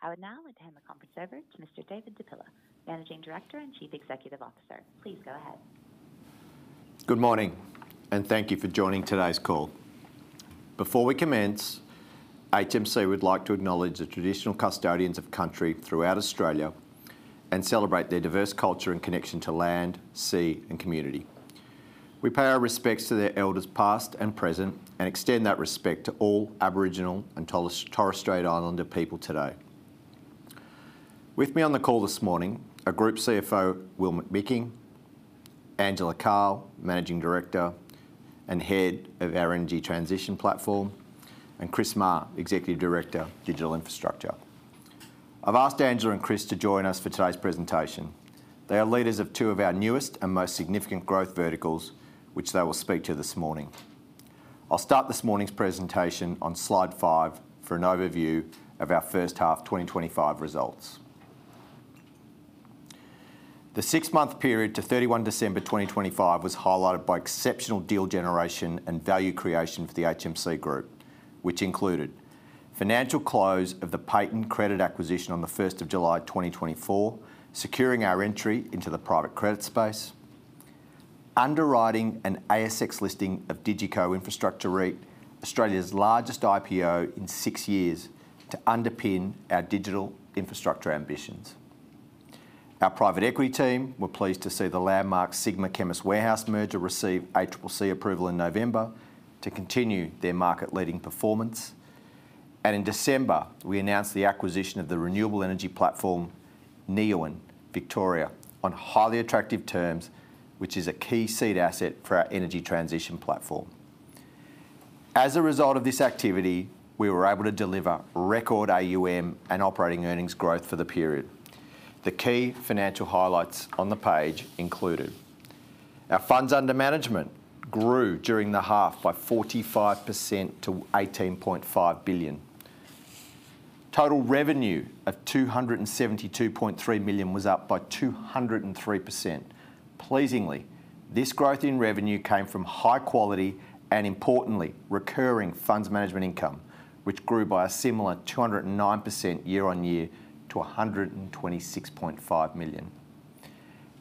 I will now hand the conference over to Mr. David Di Pilla, Managing Director and Chief Executive Officer. Please go ahead. Good morning, and thank you for joining today's call. Before we commence, I gently would like to acknowledge the traditional custodians of country throughout Australia and celebrate their diverse culture and connection to land, sea, and community. We pay our respects to their elders past and present and extend that respect to all Aboriginal and Torres Strait Islander people today. With me on the call this morning, our Group CFO, Will McMicking, Angela Karl, Managing Director and Head of our Energy Transition Platform, and Chris Maher, Executive Director, Digital Infrastructure. I've asked Angela and Chris to join us for today's presentation. They are leaders of two of our newest and most significant growth verticals, which they will speak to this morning. I'll start this morning's presentation on slide five for an overview of our first half 2025 results. The six-month period to 31 December 2025 was highlighted by exceptional deal generation and value creation for the HMC Capital, which included financial close of the Payton Capital Acquisition on the 1st of July 2024, securing our entry into the private credit space, underwriting an ASX listing of DigiCo Infrastructure REIT, Australia's largest IPO in six years to underpin our digital infrastructure ambitions. Our private equity team, we're pleased to see the landmark Sigma Chemist Warehouse merger receive ACCC approval in November to continue their market-leading performance. And in December, we announced the acquisition of the Renewable Energy Platform, Neoen Victoria, on highly attractive terms, which is a key seed asset for our energy transition platform. As a result of this activity, we were able to deliver record AUM and operating earnings growth for the period. The key financial highlights on the page included our funds under management grew during the half by 45% to $18.5 billion. Total revenue of $272.3 million was up by 203%. Pleasingly, this growth in revenue came from high quality and, importantly, recurring funds management income, which grew by a similar 209% year on year to $126.5 million.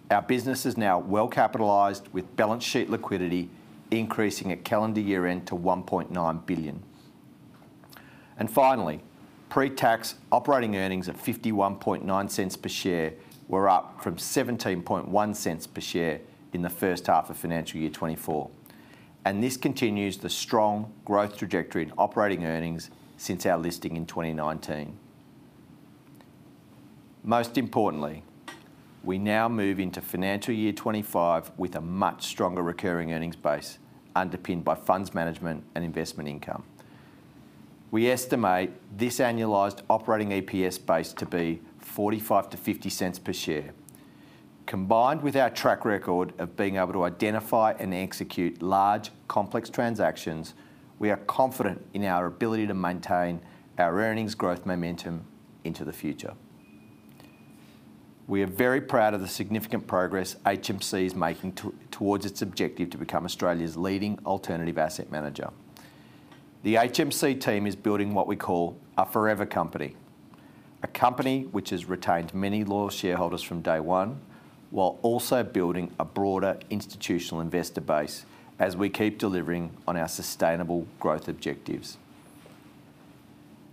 Our business is now well capitalized with balance sheet liquidity increasing at calendar year end to $1.9 billion. And finally, pre-tax operating earnings at $0.519 per share were up from $0.171 per share in the first half of financial year 2024. And this continues the strong growth trajectory in operating earnings since our listing in 2019. Most importantly, we now move into financial year 2025 with a much stronger recurring earnings base underpinned by funds management and investment income. We estimate this annualized operating EPS base to be 0.45-0.50 per share. Combined with our track record of being able to identify and execute large, complex transactions, we are confident in our ability to maintain our earnings growth momentum into the future. We are very proud of the significant progress HMC is making towards its objective to become Australia's leading alternative asset manager. The HMC team is building what we call a forever company, a company which has retained many loyal shareholders from day one while also building a broader institutional investor base as we keep delivering on our sustainable growth objectives.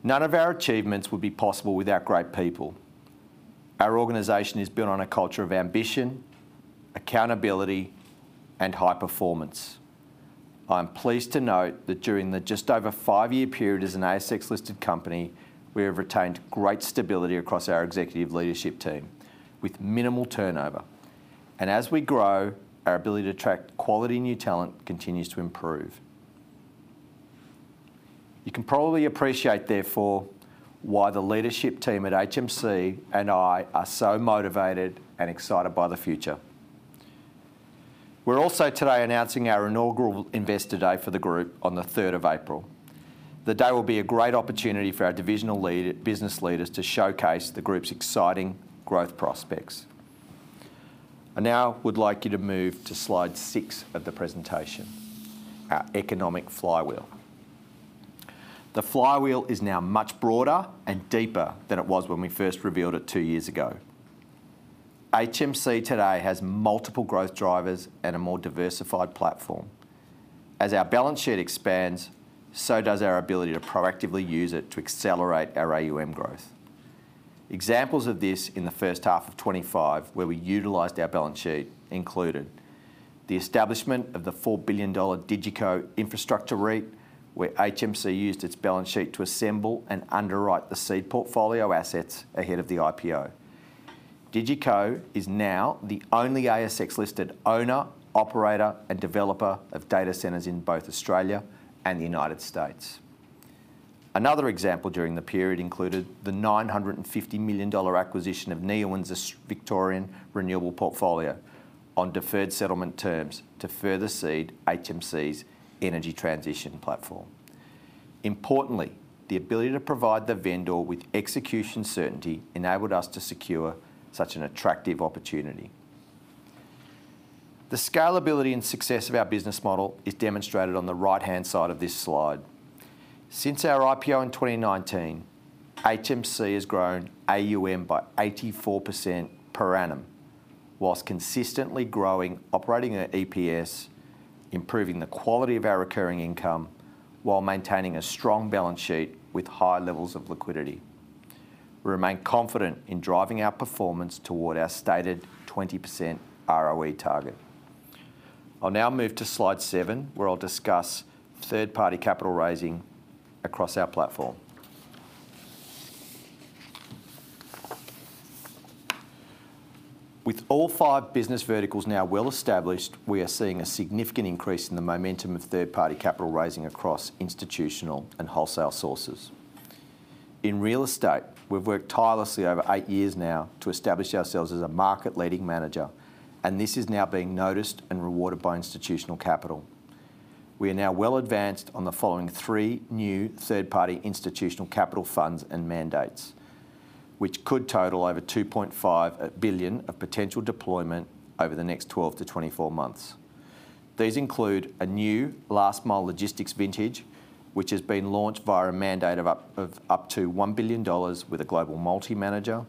None of our achievements would be possible without great people. Our organization is built on a culture of ambition, accountability, and high performance. I'm pleased to note that during the just over five-year period as an ASX-listed company, we have retained great stability across our executive leadership team with minimal turnover, and as we grow, our ability to attract quality new talent continues to improve. You can probably appreciate, therefore, why the leadership team at HMC and I are so motivated and excited by the future. We're also today announcing our inaugural Investor Day for the group on the 3rd of April. The day will be a great opportunity for our divisional business leaders to showcase the Group's exciting growth prospects. I now would like you to move to slide six of the presentation, our Economic Flywheel. The flywheel is now much broader and deeper than it was when we first revealed it two years ago. HMC today has multiple growth drivers and a more diversified platform. As our balance sheet expands, so does our ability to proactively use it to accelerate our AUM growth. Examples of this in the first half of 2025 where we utilized our balance sheet included the establishment of the 4 billion dollar DigiCo Infrastructure REIT, where HMC used its balance sheet to assemble and underwrite the seed portfolio assets ahead of the IPO. DigiCo is now the only ASX-listed owner, operator, and developer of data centers in both Australia and the United States. Another example during the period included the 950 million dollar acquisition of Neoen's Victorian Renewable portfolio on deferred settlement terms to further seed HMC's energy transition platform. Importantly, the ability to provide the vendor with execution certainty enabled us to secure such an attractive opportunity. The scalability and success of our business model is demonstrated on the right-hand side of this slide. Since our IPO in 2019, HMC has grown AUM by 84% per annum, while consistently growing operating EPS, improving the quality of our recurring income while maintaining a strong balance sheet with high levels of liquidity. We remain confident in driving our performance toward our stated 20% ROE target. I'll now move to slide seven, where I'll discuss third-party capital raising across our platform. With all five business verticals now well established, we are seeing a significant increase in the momentum of third-party capital raising across institutional and wholesale sources. In real estate, we've worked tirelessly over eight years now to establish ourselves as a market-leading manager, and this is now being noticed and rewarded by institutional capital. We are now well advanced on the following three new third-party institutional capital funds and mandates, which could total over 2.5 billion of potential deployment over the next 12-24 months. These include a new last-mile logistics vintage, which has been launched via a mandate of up to 1 billion dollars with a global multi-manager,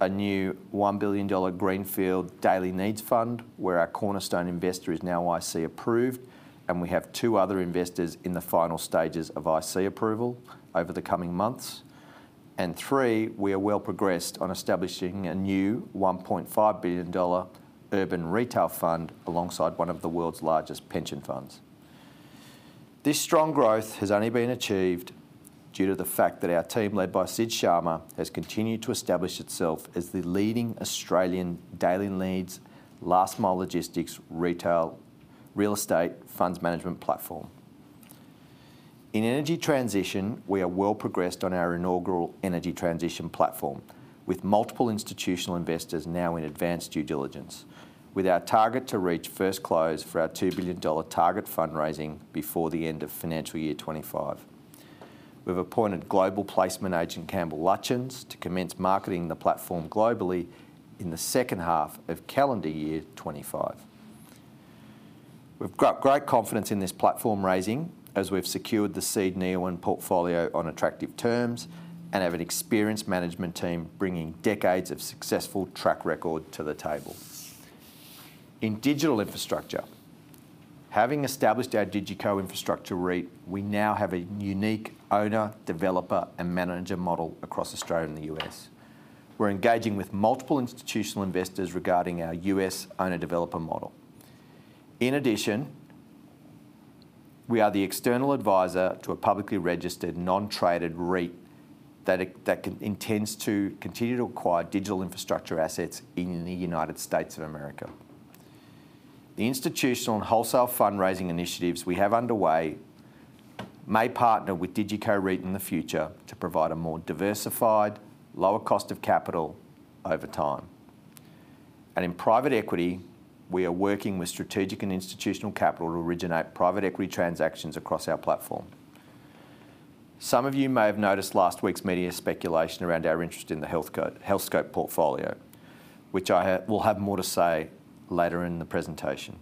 a new 1 billion dollar Greenfield Daily Needs Fund, where our cornerstone investor is now IC approved, and we have two other investors in the final stages of IC approval over the coming months, and three, we are well progressed on establishing a new 1.5 billion dollar urban retail fund alongside one of the world's largest pension funds. This strong growth has only been achieved due to the fact that our team led by Sid Sharma has continued to establish itself as the leading Australian daily needs last-mile logistics retail real estate funds management platform. In energy transition, we are well progressed on our inaugural energy transition platform with multiple institutional investors now in advanced due diligence, with our target to reach first close for our 2 billion dollar target fundraising before the end of financial year 2025. We've appointed global placement agent Campbell Lutyens to commence marketing the platform globally in the second half of calendar year 2025. We've got great confidence in this platform raising as we've secured the seed Neoen portfolio on attractive terms and have an experienced management team bringing decades of successful track record to the table. In digital infrastructure, having established our DigiCo Infrastructure REIT, we now have a unique owner, developer, and manager model across Australia and the U.S. We're engaging with multiple institutional investors regarding our U.S. owner-developer model. In addition, we are the external advisor to a publicly registered non-traded REIT that intends to continue to acquire digital infrastructure assets in the United States of America. The institutional and wholesale fundraising initiatives we have underway may partner with DigiCo REIT in the future to provide a more diversified, lower cost of capital over time. And in private equity, we are working with strategic and institutional capital to originate private equity transactions across our platform. Some of you may have noticed last week's media speculation around our interest in the Healthscope portfolio, which I will have more to say later in the presentation.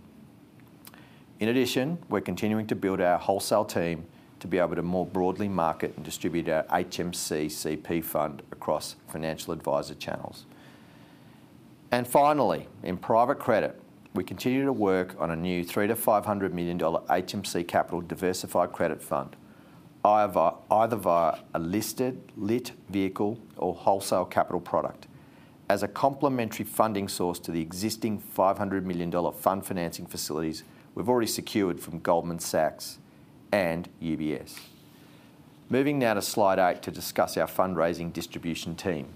In addition, we're continuing to build our wholesale team to be able to more broadly market and distribute our HMC CP fund across financial advisor channels. And finally, in private credit, we continue to work on a new 300 million-500 million dollar HMC Capital Diversified Credit Fund, either via a listed vehicle or wholesale capital product as a complementary funding source to the existing 500 million dollar fund financing facilities we've already secured from Goldman Sachs and UBS. Moving now to slide eight to discuss our fundraising distribution team.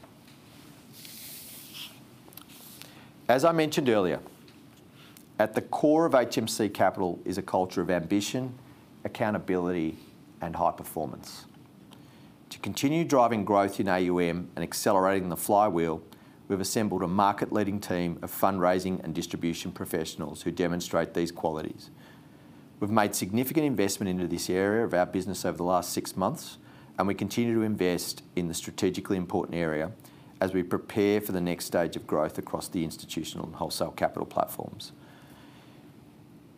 As I mentioned earlier, at the core of HMC Capital is a culture of ambition, accountability, and high performance. To continue driving growth in AUM and accelerating the flywheel, we've assembled a market-leading team of fundraising and distribution professionals who demonstrate these qualities. We've made significant investment into this area of our business over the last six months, and we continue to invest in the strategically important area as we prepare for the next stage of growth across the institutional and wholesale capital platforms.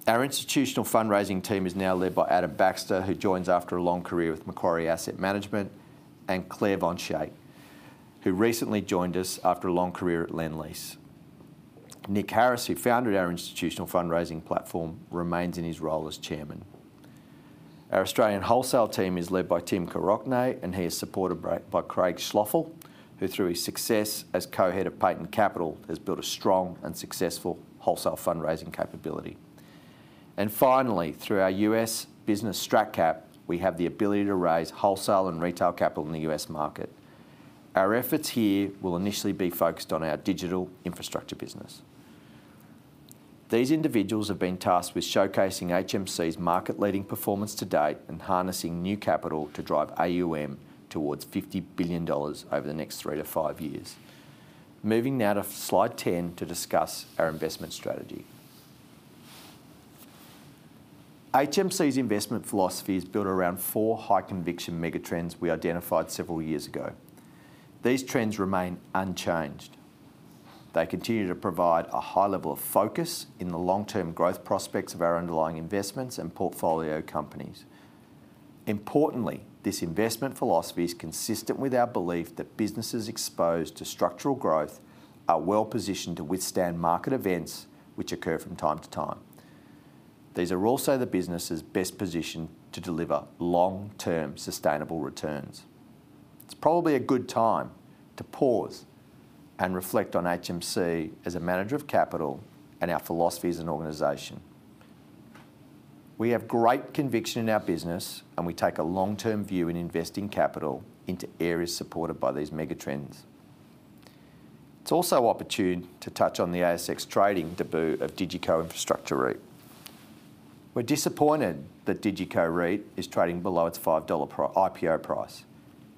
Our institutional fundraising team is now led by Adam Baxter, who joins after a long career with Macquarie Asset Management, and Claire Van Schaik, who recently joined us after a long career at Lendlease. Nick Harris, who founded our institutional fundraising platform, remains in his role as chairman. Our Australian wholesale team is led by Tim Koroknay, and he is supported by Craig Schloeffel, who through his success as co-head of Payton Capital has built a strong and successful wholesale fundraising capability, and finally, through our U.S. business StratCap, we have the ability to raise wholesale and retail capital in the U.S. market. Our efforts here will initially be focused on our digital infrastructure business. These individuals have been tasked with showcasing HMC's market-leading performance to date and harnessing new capital to drive AUM towards $50 billion over the next three to five years. Moving now to slide 10 to discuss our investment strategy. HMC's investment philosophy is built around four high-conviction megatrends we identified several years ago. These trends remain unchanged. They continue to provide a high level of focus in the long-term growth prospects of our underlying investments and portfolio companies. Importantly, this investment philosophy is consistent with our belief that businesses exposed to structural growth are well positioned to withstand market events which occur from time to time. These are also the businesses best positioned to deliver long-term sustainable returns. It's probably a good time to pause and reflect on HMC as a manager of capital and our philosophies and organization. We have great conviction in our business, and we take a long-term view in investing capital into areas supported by these megatrends. It's also opportune to touch on the ASX trading debut of DigiCo Infrastructure REIT. We're disappointed that DigiCo REIT is trading below its $5 IPO price.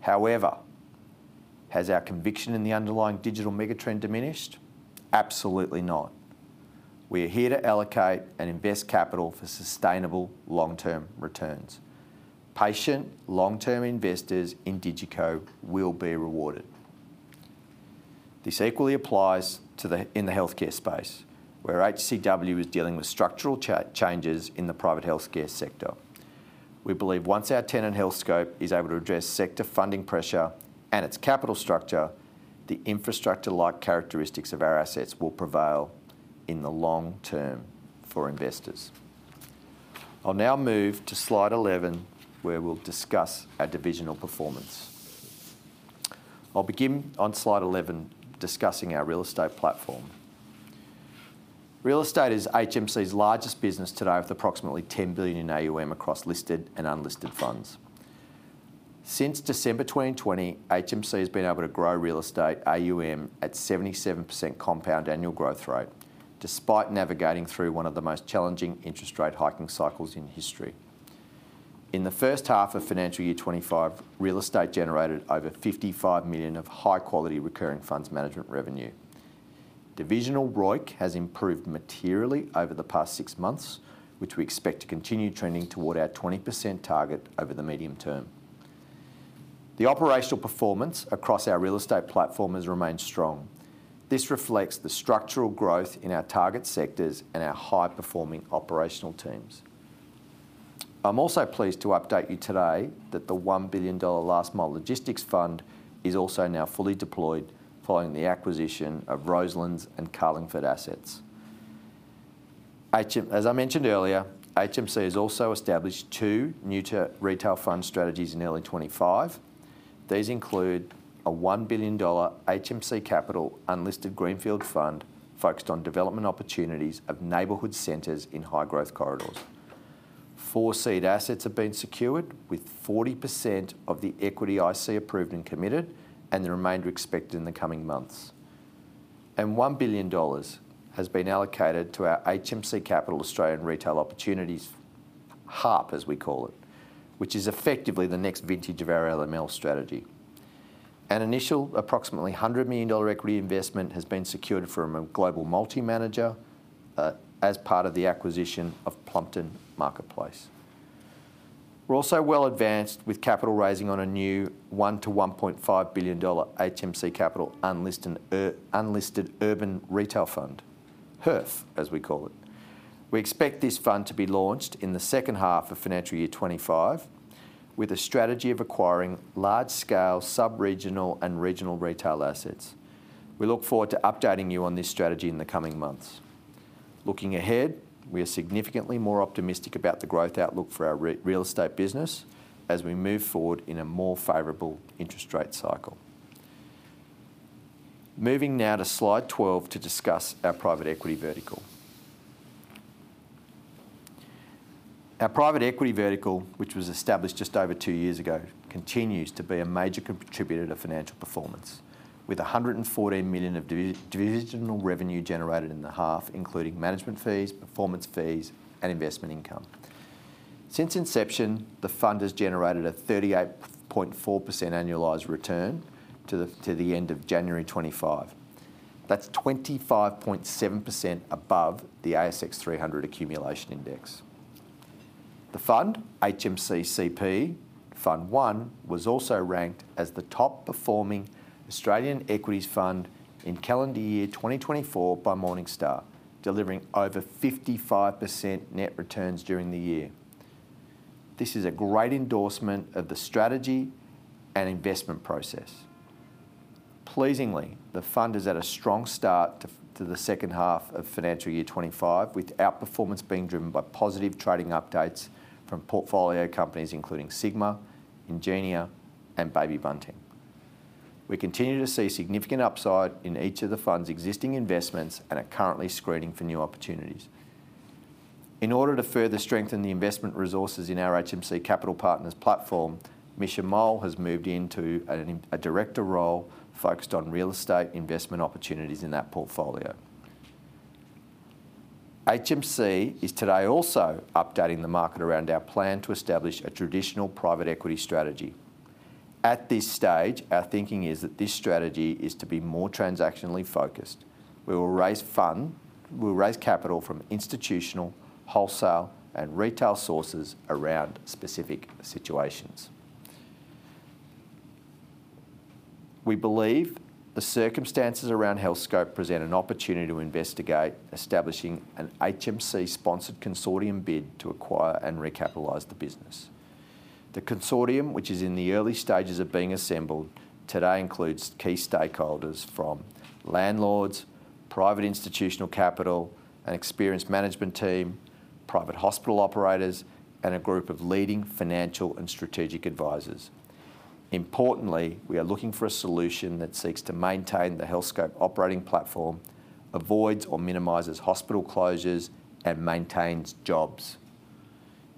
However, has our conviction in the underlying digital megatrend diminished? Absolutely not. We are here to allocate and invest capital for sustainable long-term returns. Patient long-term investors in DigiCo will be rewarded. This equally applies in the healthcare space, where HCW is dealing with structural changes in the private healthcare sector. We believe once our tenant Healthscope is able to address sector funding pressure and its capital structure, the infrastructure-like characteristics of our assets will prevail in the long term for investors. I'll now move to slide 11, where we'll discuss our divisional performance. I'll begin on slide 11 discussing our real estate platform. Real estate is HMC's largest business today with approximately $10 billion in AUM across listed and unlisted funds. Since December 2020, HMC has been able to grow real estate AUM at 77% compound annual growth rate, despite navigating through one of the most challenging interest rate hiking cycles in history. In the first half of financial year 2025, real estate generated over 55 million of high-quality recurring funds management revenue. Divisional ROIC has improved materially over the past six months, which we expect to continue trending toward our 20% target over the medium term. The operational performance across our real estate platform has remained strong. This reflects the structural growth in our target sectors and our high-performing operational teams. I'm also pleased to update you today that the 1 billion dollar last-mile logistics fund is also now fully deployed following the acquisition of Roselands and Carlingford assets. As I mentioned earlier, HMC has also established two new retail fund strategies in early 2025. These include a 1 billion dollar HMC Capital Unlisted Greenfield Fund focused on development opportunities of neighborhood centers in high-growth corridors. Four seed assets have been secured with 40% of the equity IC approved and committed, and the remainder expected in the coming months, and 1 billion dollars has been allocated to our HMC Capital Australian Retail Opportunities HARP, as we call it, which is effectively the next vintage of our LML strategy. An initial approximately 100 million dollar equity investment has been secured from a global multi-manager as part of the acquisition of Plumpton Marketplace. We're also well advanced with capital raising on a new 1 - 1.5 billion dollar HMC Capital Unlisted Urban Retail Fund, HERF, as we call it. We expect this fund to be launched in the second half of financial year 2025 with a strategy of acquiring large-scale sub-regional and regional retail assets. We look forward to updating you on this strategy in the coming months. Looking ahead, we are significantly more optimistic about the growth outlook for our real estate business as we move forward in a more favorable interest rate cycle. Moving now to slide 12 to discuss our private equity vertical. Our private equity vertical, which was established just over two years ago, continues to be a major contributor to financial performance, with 114 million of divisional revenue generated in the half, including management fees, performance fees, and investment income. Since inception, the fund has generated a 38.4% annualized return to the end of January 2025. That's 25.7% above the ASX 300 accumulation index. The fund, HMC CP Fund One, was also ranked as the top-performing Australian equities fund in calendar year 2024 by Morningstar, delivering over 55% net returns during the year. This is a great endorsement of the strategy and investment process. Pleasingly, the fund is at a strong start to the second half of financial year 2025, with outperformance being driven by positive trading updates from portfolio companies including Sigma, Ingenia, and Baby Bunting. We continue to see significant upside in each of the fund's existing investments and are currently screening for new opportunities. In order to further strengthen the investment resources in our HMC Capital Partners platform, Misha Mohl has moved into a director role focused on real estate investment opportunities in that portfolio. HMC is today also updating the market around our plan to establish a traditional private equity strategy. At this stage, our thinking is that this strategy is to be more transactionally focused. We will raise capital from institutional, wholesale, and retail sources around specific situations. We believe the circumstances around Healthscope present an opportunity to investigate establishing an HMC-sponsored consortium bid to acquire and recapitalize the business. The consortium, which is in the early stages of being assembled today, includes key stakeholders from landlords, private institutional capital, an experienced management team, private hospital operators, and a group of leading financial and strategic advisors. Importantly, we are looking for a solution that seeks to maintain the Healthscope operating platform, avoids or minimizes hospital closures, and maintains jobs.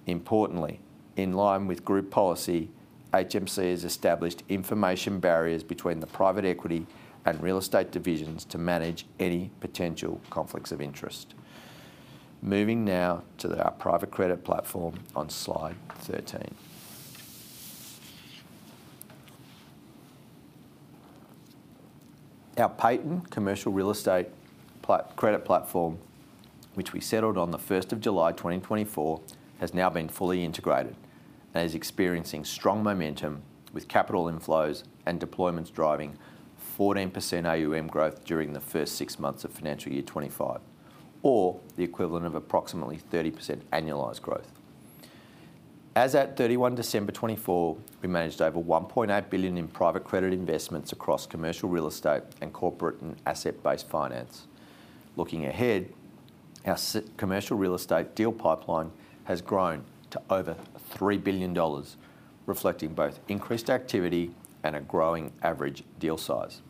Importantly, in line with group policy, HMC has established information barriers between the private equity and real estate divisions to manage any potential conflicts of interest. Moving now to our private credit platform on slide 13. Our Payton Commercial Real Estate Credit Platform, which we settled on the 1st of July 2024, has now been fully integrated and is experiencing strong momentum with capital inflows and deployments driving 14% AUM growth during the first six months of financial year 2025, or the equivalent of approximately 30% annualized growth. As at 31 December 2024, we managed over 1.8 billion in private credit investments across commercial real estate and corporate and asset-based finance. Looking ahead, our commercial real estate deal pipeline has grown to over 3 billion dollars, reflecting both increased activity and a growing average deal size.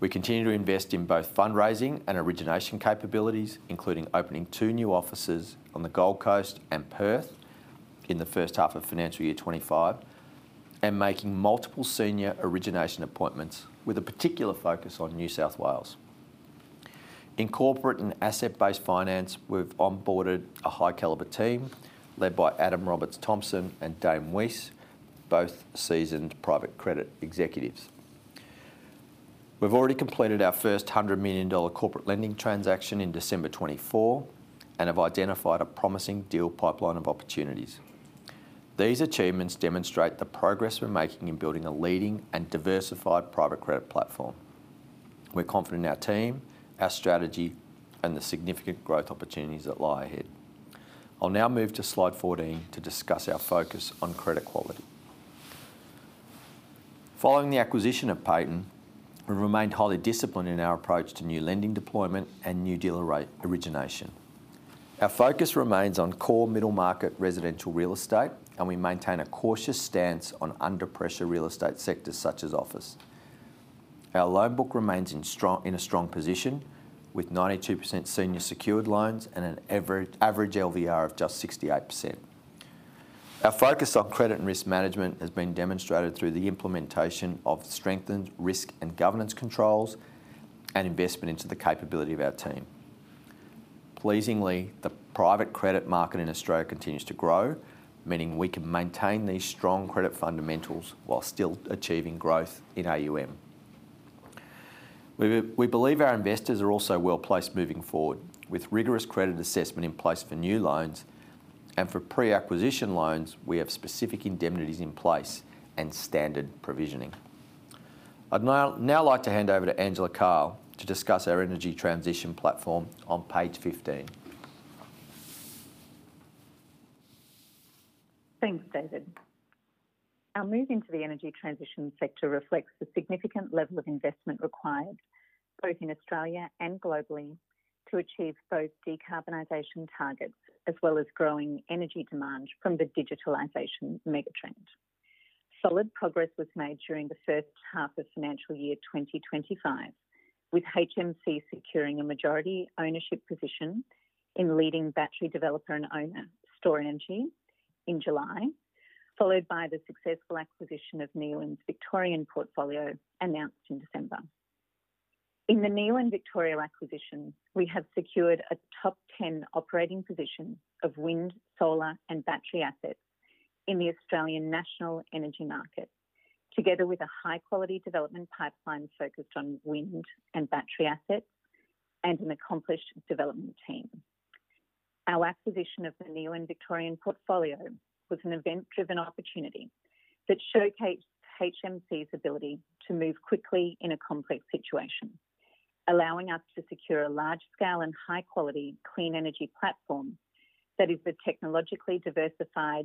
We continue to invest in both fundraising and origination capabilities, including opening two new offices on the Gold Coast and Perth in the first half of financial year 2025, and making multiple senior origination appointments with a particular focus on New South Wales. In corporate and asset-based finance, we've onboarded a high-caliber team led by Adam Roberts-Thomson and Dane Weiss, both seasoned private credit executives. We've already completed our first 100 million dollar corporate lending transaction in December 2024 and have identified a promising deal pipeline of opportunities. These achievements demonstrate the progress we're making in building a leading and diversified private credit platform. We're confident in our team, our strategy, and the significant growth opportunities that lie ahead. I'll now move to slide 14 to discuss our focus on credit quality. Following the acquisition of Payton Capital, we've remained highly disciplined in our approach to new lending deployment and new deal origination. Our focus remains on core middle-market residential real estate, and we maintain a cautious stance on under-pressure real estate sectors such as office. Our loan book remains in a strong position with 92% senior secured loans and an average LVR of just 68%. Our focus on credit and risk management has been demonstrated through the implementation of strengthened risk and governance controls and investment into the capability of our team. Pleasingly, the private credit market in Australia continues to grow, meaning we can maintain these strong credit fundamentals while still achieving growth in AUM. We believe our investors are also well placed moving forward with rigorous credit assessment in place for new loans and for pre-acquisition loans. We have specific indemnities in place and standard provisioning. I'd now like to hand over to Angela Karl to discuss our energy transition platform on page 15. Thanks, David. Our move into the energy transition sector reflects the significant level of investment required both in Australia and globally to achieve both decarbonization targets as well as growing energy demand from the digitalization megatrend. Solid progress was made during the first half of financial year 2025, with HMC securing a majority ownership position in leading battery developer and owner, Stor-Energy, in July, followed by the successful acquisition of Neoen Victorian portfolio announced in December. In the Neoen Victorian acquisition, we have secured a top 10 operating position of wind, solar, and battery assets in the Australian National Energy Market, together with a high-quality development pipeline focused on wind and battery assets and an accomplished development team. Our acquisition of the Neoen's Victorian portfolio was an event-driven opportunity that showcased HMC's ability to move quickly in a complex situation, allowing us to secure a large-scale and high-quality clean energy platform that is the technologically diversified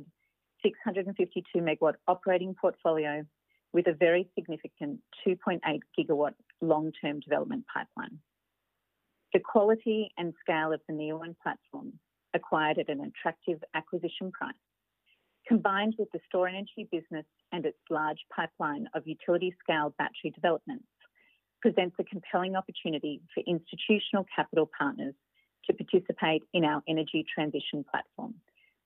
652MW operating portfolio with a very significant 2.8GW long-term development pipeline. The quality and scale of the Neoen platform acquired at an attractive acquisition price, combined with the Stor-Energy business and its large pipeline of utility-scale battery developments, presents a compelling opportunity for institutional capital partners to participate in our energy transition platform,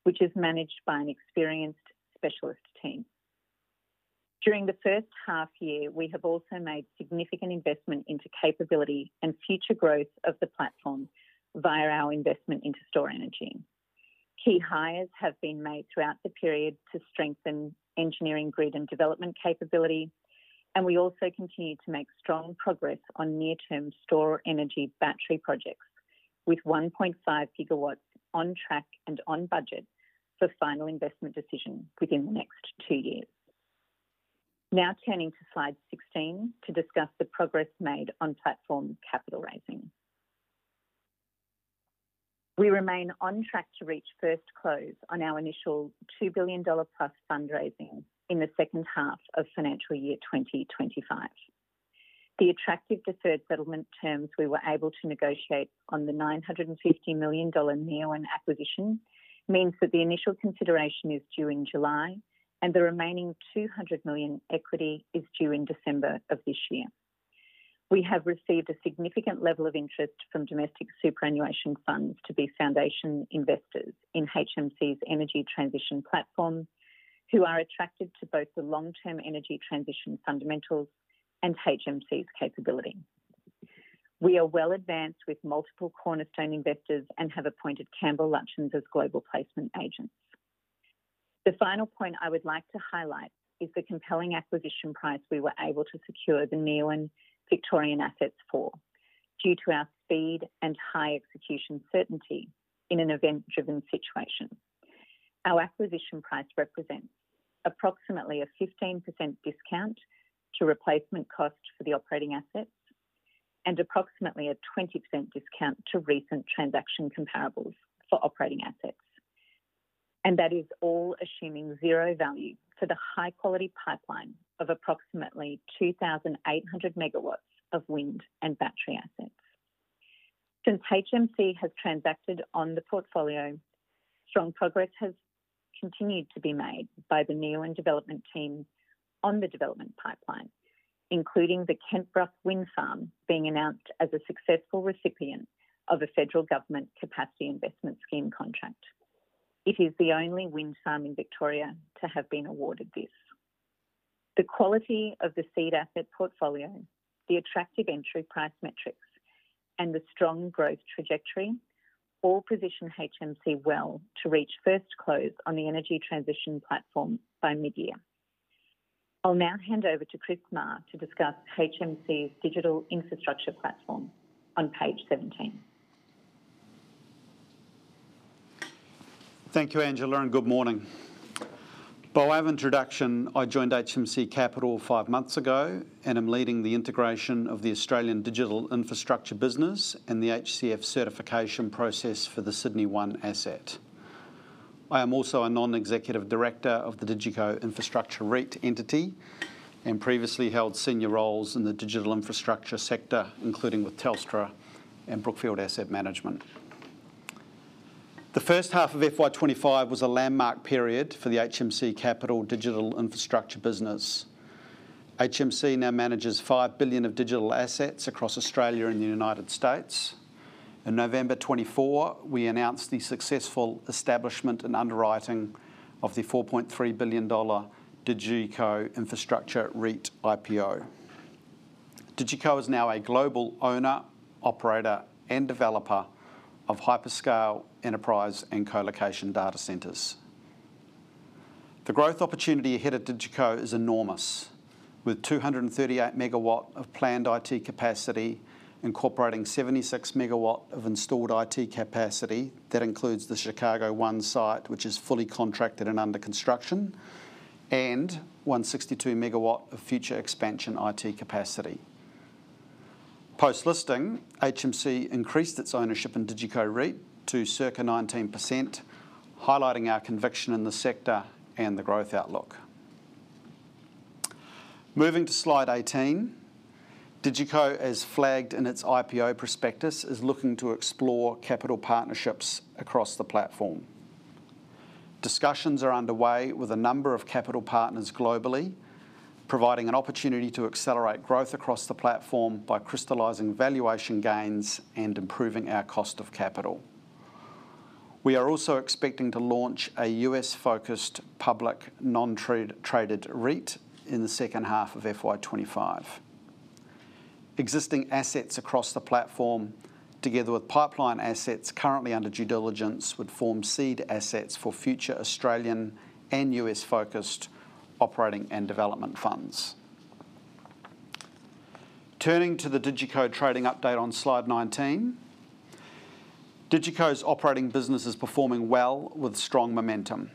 which is managed by an experienced specialist team. During the first half year, we have also made significant investment into capability and future growth of the platform via our investment into Stor-Energy. Key hires have been made throughout the period to strengthen engineering grid and development capability, and we also continue to make strong progress on near-term Stor-Energy battery projects with 1.5GW on track and on budget for final investment decision within the next two years. Now turning to slide 16 to discuss the progress made on platform capital raising. We remain on track to reach first close on our initial 2 billion dollar plus fundraising in the second half of financial year 2025. The attractive deferred settlement terms we were able to negotiate on the 950 million dollar Neoen acquisition means that the initial consideration is due in July and the remaining 200 million equity is due in December of this year. We have received a significant level of interest from domestic superannuation funds to be foundation investors in HMC's energy transition platform, who are attracted to both the long-term energy transition fundamentals and HMC's capability. We are well advanced with multiple cornerstone investors and have appointed Campbell Lutyens as global placement agents. The final point I would like to highlight is the compelling acquisition price we were able to secure the Neoen Victorian assets for due to our speed and high execution certainty in an event-driven situation. Our acquisition price represents approximately a 15% discount to replacement costs for the operating assets and approximately a 20% discount to recent transaction comparables for operating assets. That is all assuming zero value for the high-quality pipeline of approximately 2,800MW of wind and battery assets. Since HMC has transacted on the portfolio, strong progress has continued to be made by the Neoen and development team on the development pipeline, including the Kentbruck Wind Farm being announced as a successful recipient of a federal government Capacity Investment Scheme contract. It is the only wind farm in Victoria to have been awarded this. The quality of the seed asset portfolio, the attractive entry price metrics, and the strong growth trajectory all position HMC well to reach first close on the energy transition platform by mid-year. I'll now hand over to Chris Maher to discuss HMC's digital infrastructure platform on page 17. Thank you, Angela, and good morning. By way of introduction, I joined HMC Capital five months ago and am leading the integration of the Australian digital infrastructure business and the HCF certification process for the Sydney One asset. I am also a non-executive director of the DigiCo Infrastructure REIT entity and previously held senior roles in the digital infrastructure sector, including with Telstra and Brookfield Asset Management. The first half of FY25 was a landmark period for the HMC Capital digital infrastructure business. HMC now manages 5 billion of digital assets across Australia and the United States. In November 2024, we announced the successful establishment and underwriting of the 4.3 billion dollar DigiCo Infrastructure REIT IPO. DigiCo is now a global owner, operator, and developer of hyperscale enterprise and colocation data centers. The growth opportunity ahead at DigiCo is enormous, with 238MW of planned IT capacity incorporating 76MW of installed IT capacity that includes the Chicago One site, which is fully contracted and under construction, and 162MW of future expansion IT capacity. Post-listing, HMC increased its ownership in DigiCo REIT to circa 19%, highlighting our conviction in the sector and the growth outlook. Moving to slide 18, DigiCo, as flagged in its IPO prospectus, is looking to explore capital partnerships across the platform. Discussions are underway with a number of capital partners globally, providing an opportunity to accelerate growth across the platform by crystallizing valuation gains and improving our cost of capital. We are also expecting to launch a U.S.-focused public non-traded REIT in the second half of FY25. Existing assets across the platform, together with pipeline assets currently under due diligence, would form seed assets for future Australian and US-focused operating and development funds. Turning to the DigiCo trading update on slide 19, DigiCo's operating business is performing well with strong momentum.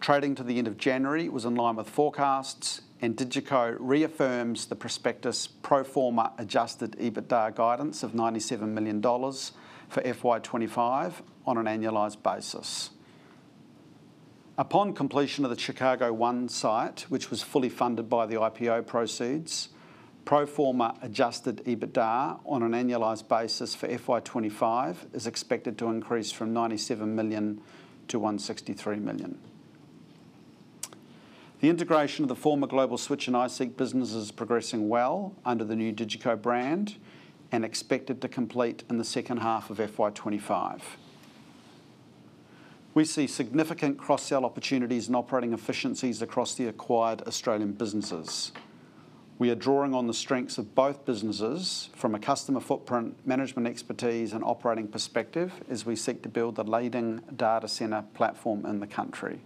Trading to the end of January was in line with forecasts, and DigiCo reaffirms the prospectus pro forma adjusted EBITDA guidance of $97 million for FY25 on an annualized basis. Upon completion of the Chicago One site, which was fully funded by the IPO proceeds, pro forma adjusted EBITDA on an annualized basis for FY25 is expected to increase from $97 million to $163 million. The integration of the former Global Switch and iseek business is progressing well under the new DigiCo brand and expected to complete in the second half of FY25. We see significant cross-sell opportunities and operating efficiencies across the acquired Australian businesses. We are drawing on the strengths of both businesses from a customer footprint management expertise and operating perspective as we seek to build the leading data center platform in the country.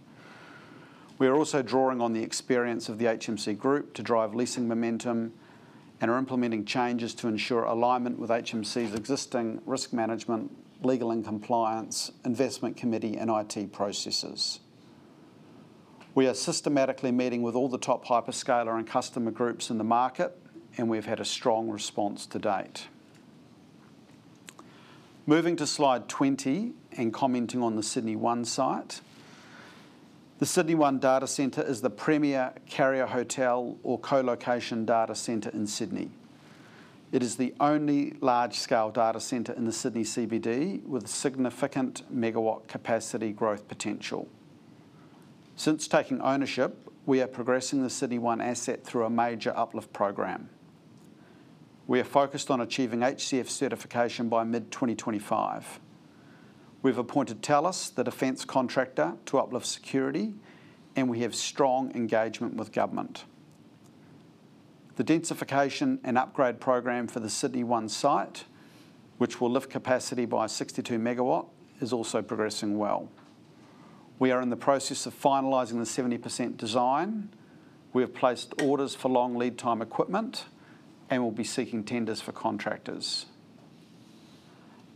We are also drawing on the experience of the HMC Group to drive leasing momentum and are implementing changes to ensure alignment with HMC's existing risk management, legal and compliance, investment committee, and IT processes. We are systematically meeting with all the top hyperscaler and customer groups in the market, and we've had a strong response to date. Moving to Slide 20 and commenting on the Sydney One site, the Sydney One data center is the premier carrier hotel or colocation data center in Sydney. It is the only large-scale data center in the Sydney CBD with significant megawatt capacity growth potential. Since taking ownership, we are progressing the Sydney One asset through a major uplift program. We are focused on achieving HCF certification by mid-2025. We've appointed Thales, the defense contractor, to uplift security, and we have strong engagement with government. The densification and upgrade program for the Sydney One site, which will lift capacity by 62MW, is also progressing well. We are in the process of finalizing the 70% design. We have placed orders for long lead-time equipment and will be seeking tenders for contractors.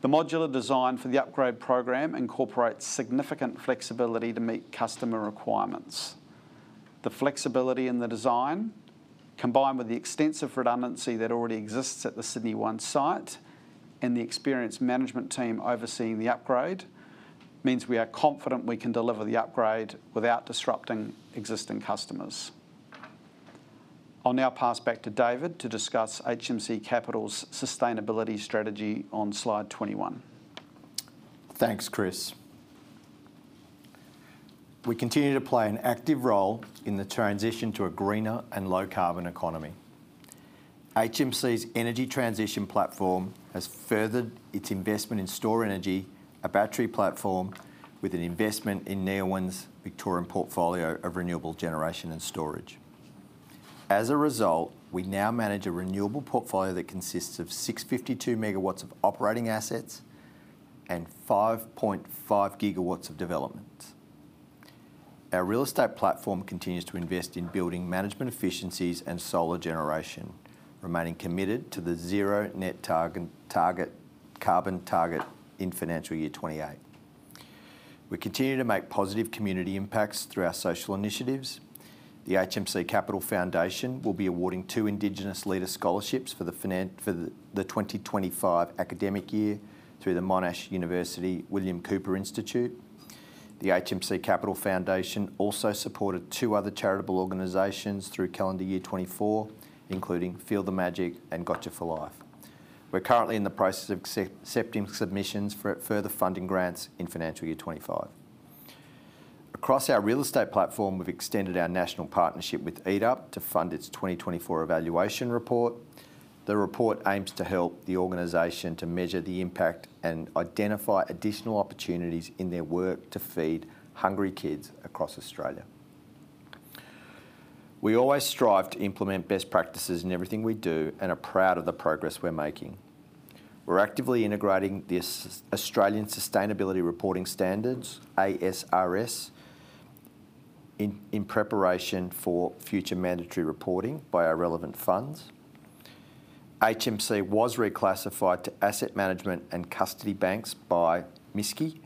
The modular design for the upgrade program incorporates significant flexibility to meet customer requirements. The flexibility in the design, combined with the extensive redundancy that already exists at the Sydney One site and the experienced management team overseeing the upgrade, means we are confident we can deliver the upgrade without disrupting existing customers. I'll now pass back to David to discuss HMC Capital's sustainability strategy on slide 21. Thanks, Chris. We continue to play an active role in the transition to a greener and low-carbon economy. HMC's energy transition platform has furthered its investment in Stor-Energy, a battery platform with an investment in Neoen's Victorian portfolio of renewable generation and storage. As a result, we now manage a renewable portfolio that consists of 652MW of operating assets and 5.5GW of development. Our real estate platform continues to invest in building management efficiencies and solar generation, remaining committed to the net zero carbon target in financial year 2028. We continue to make positive community impacts through our social initiatives. The HMC Capital Foundation will be awarding two Indigenous Leader Scholarships for the 2025 academic year through the Monash University William Cooper Institute. The HMC Capital Foundation also supported two other charitable organizations through calendar year 2024, including Feel the Magic and Gotcha4Life. We're currently in the process of accepting submissions for further funding grants in financial year 25. Across our real estate platform, we've extended our national partnership with Eat Up to fund its 2024 evaluation report. The report aims to help the organization to measure the impact and identify additional opportunities in their work to feed hungry kids across Australia. We always strive to implement best practices in everything we do and are proud of the progress we're making. We're actively integrating the Australian Sustainability Reporting Standards, ASRS, in preparation for future mandatory reporting by our relevant funds. HMC was reclassified to asset management and custody banks by MSCI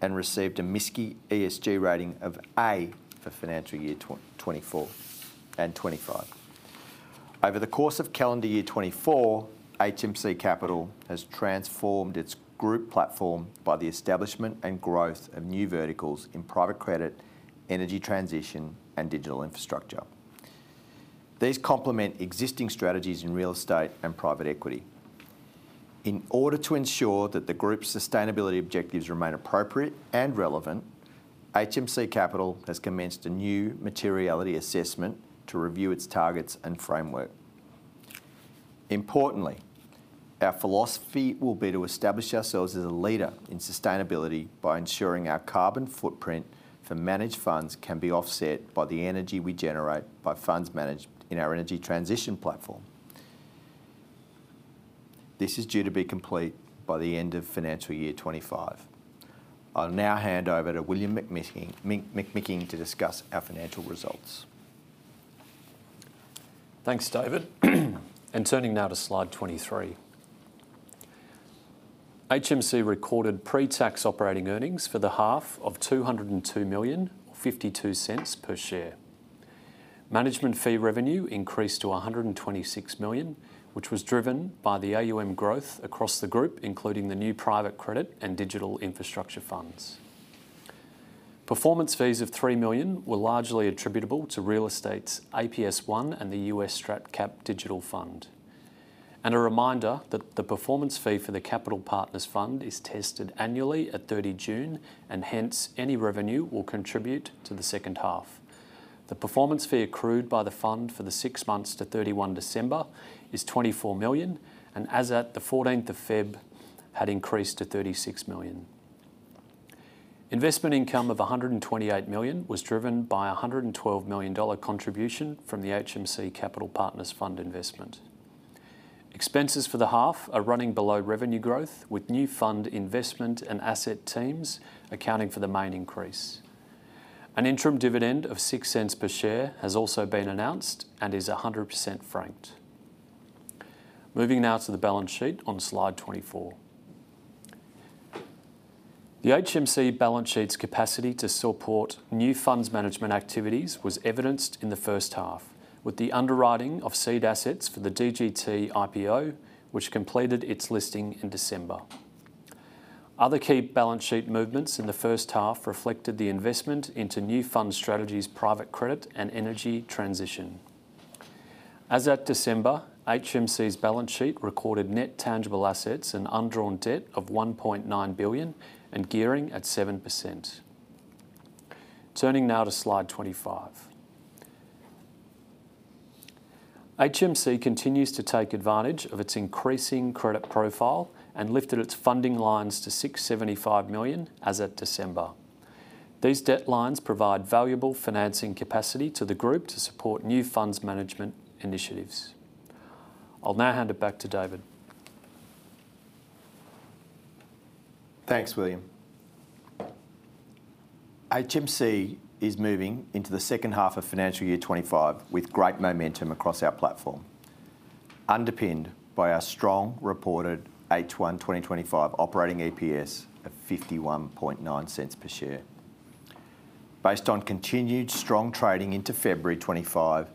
and received a MSCI ESG rating of A for financial year 2024 and 2025. Over the course of calendar year 2024, HMC Capital has transformed its group platform by the establishment and growth of new verticals in private credit, energy transition, and digital infrastructure. These complement existing strategies in real estate and private equity. In order to ensure that the group's sustainability objectives remain appropriate and relevant, HMC Capital has commenced a new materiality assessment to review its targets and framework. Importantly, our philosophy will be to establish ourselves as a leader in sustainability by ensuring our carbon footprint for managed funds can be offset by the energy we generate by funds managed in our energy transition platform. This is due to be complete by the end of financial year 2025. I'll now hand over to Will McMicking to discuss our financial results. Thanks, David. Turning now to slide 23. HMC recorded pre-tax operating earnings for the half of $202 million or $0.52 per share. Management fee revenue increased to $126 million, which was driven by the AUM growth across the group, including the new private credit and digital infrastructure funds. Performance fees of $3 million were largely attributable to real estate's APS One and the US StratCap Digital Fund. A reminder that the performance fee for the Capital Partners Fund is tested annually at 30 June, and hence any revenue will contribute to the second half. The performance fee accrued by the fund for the six months to 31 December is $24 million, and as at the 14th of February, had increased to $36 million. Investment income of $128 million was driven by a $112 million contribution from the HMC Capital Partners Fund investment. Expenses for the half are running below revenue growth, with new fund investment and asset teams accounting for the main increase. An interim dividend of 0.06 per share has also been announced and is 100% franked. Moving now to the balance sheet on slide 24. The HMC balance sheet's capacity to support new funds management activities was evidenced in the first half, with the underwriting of seed assets for the DGT IPO, which completed its listing in December. Other key balance sheet movements in the first half reflected the investment into new fund strategies, private credit, and energy transition. As at December, HMC's balance sheet recorded net tangible assets and undrawn debt of 1.9 billion and gearing at 7%. Turning now to slide 25. HMC continues to take advantage of its increasing credit profile and lifted its funding lines to 675 million as at December.These debt lines provide valuable financing capacity to the group to support new funds management initiatives. I'll now hand it back to David. Thanks, Will. HMC is moving into the second half of financial year 2025 with great momentum across our platform, underpinned by our strong reported H1 2025 operating EPS of 0.519 per share. Based on continued strong trading into February 2025,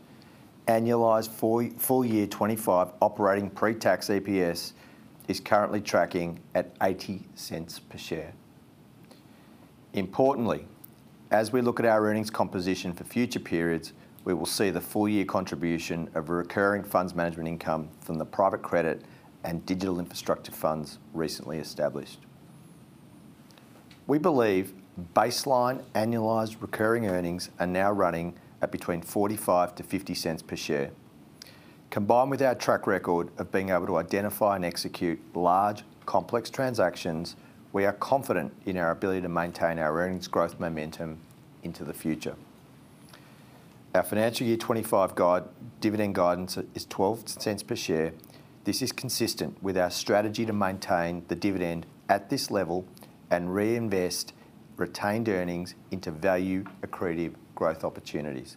annualized full year 2025 operating pre-tax EPS is currently tracking at 0.80 per share. Importantly, as we look at our earnings composition for future periods, we will see the full year contribution of recurring funds management income from the private credit and digital infrastructure funds recently established. We believe baseline annualized recurring earnings are now running at between 0.45 - 0.50 per share. Combined with our track record of being able to identify and execute large, complex transactions, we are confident in our ability to maintain our earnings growth momentum into the future. Our financial year 2025 dividend guidance is 0.12 per share. This is consistent with our strategy to maintain the dividend at this level and reinvest retained earnings into value-accretive growth opportunities.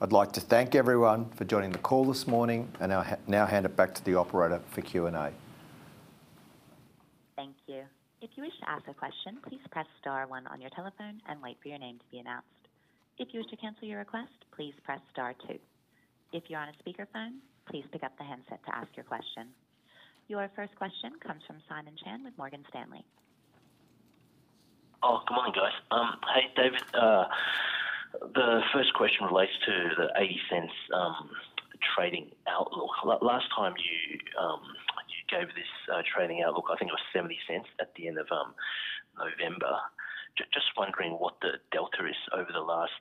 I'd like to thank everyone for joining the call this morning and now hand it back to the operator for Q&A. Thank you. If you wish to ask a question, please press star one on your telephone and wait for your name to be announced. If you wish to cancel your request, please press star two. If you're on a speakerphone, please pick up the handset to ask your question. Your first question comes from Simon Chan with Morgan Stanley. Oh, good morning, guys. Hey, David. The first question relates to the $0.80 trading outlook. Last time you gave this trading outlook, I think it was $0.70 at the end of November. Just wondering what the delta is over the last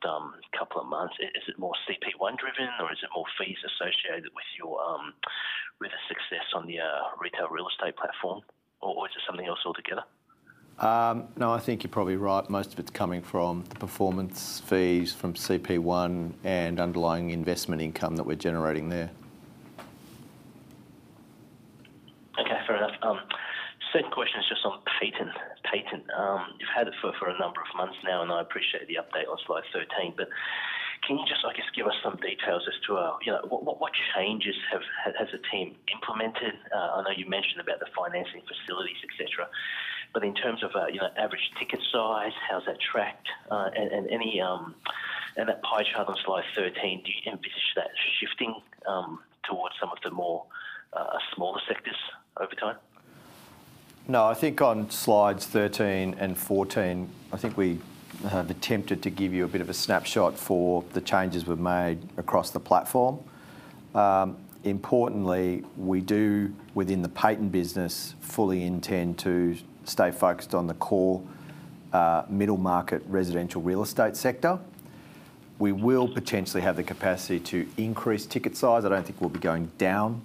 couple of months? Is it more CP1 driven, or is it more fees associated with the success on the retail real estate platform, or is it something else altogether? No, I think you're probably right. Most of it's coming from the performance fees from CP1 and underlying investment income that we're generating there. Okay, fair enough. Second question is just on Payton. You've had it for a number of months now, and I appreciate the update on slide 13, but can you just, I guess, give us some details as to what changes has the team implemented? I know you mentioned about the financing facilities, etc., but in terms of average ticket size, how's that tracked? And that pie chart on slide 13, do you envisage that shifting towards some of the more smaller sectors over time? No, I think on slides 13 and 14, I think we have attempted to give you a bit of a snapshot for the changes we've made across the platform. Importantly, we do, within the Payton business, fully intend to stay focused on the core middle market residential real estate sector. We will potentially have the capacity to increase ticket size. I don't think we'll be going down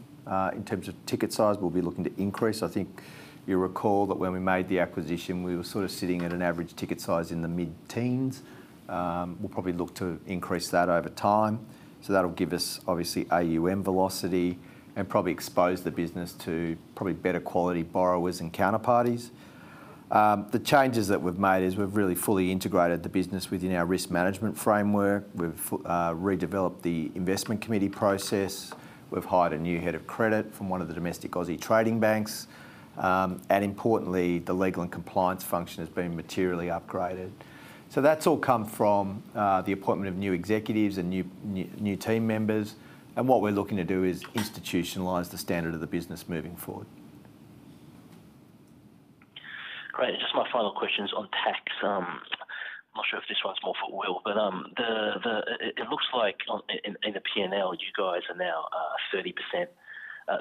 in terms of ticket size. We'll be looking to increase. I think you'll recall that when we made the acquisition, we were sort of sitting at an average ticket size in the mid-teens. We'll probably look to increase that over time. So that'll give us, obviously, AUM velocity and probably expose the business to probably better quality borrowers and counterparties. The changes that we've made is we've really fully integrated the business within our risk management framework. We've redeveloped the investment committee process. We've hired a new head of credit from one of the domestic Aussie trading banks. And importantly, the legal and compliance function has been materially upgraded. So that's all come from the appointment of new executives and new team members. And what we're looking to do is institutionalize the standard of the business moving forward. Great. Just my final questions on tax. I'm not sure if this one's more for Will, but it looks like in the P&L, you guys are now 30%.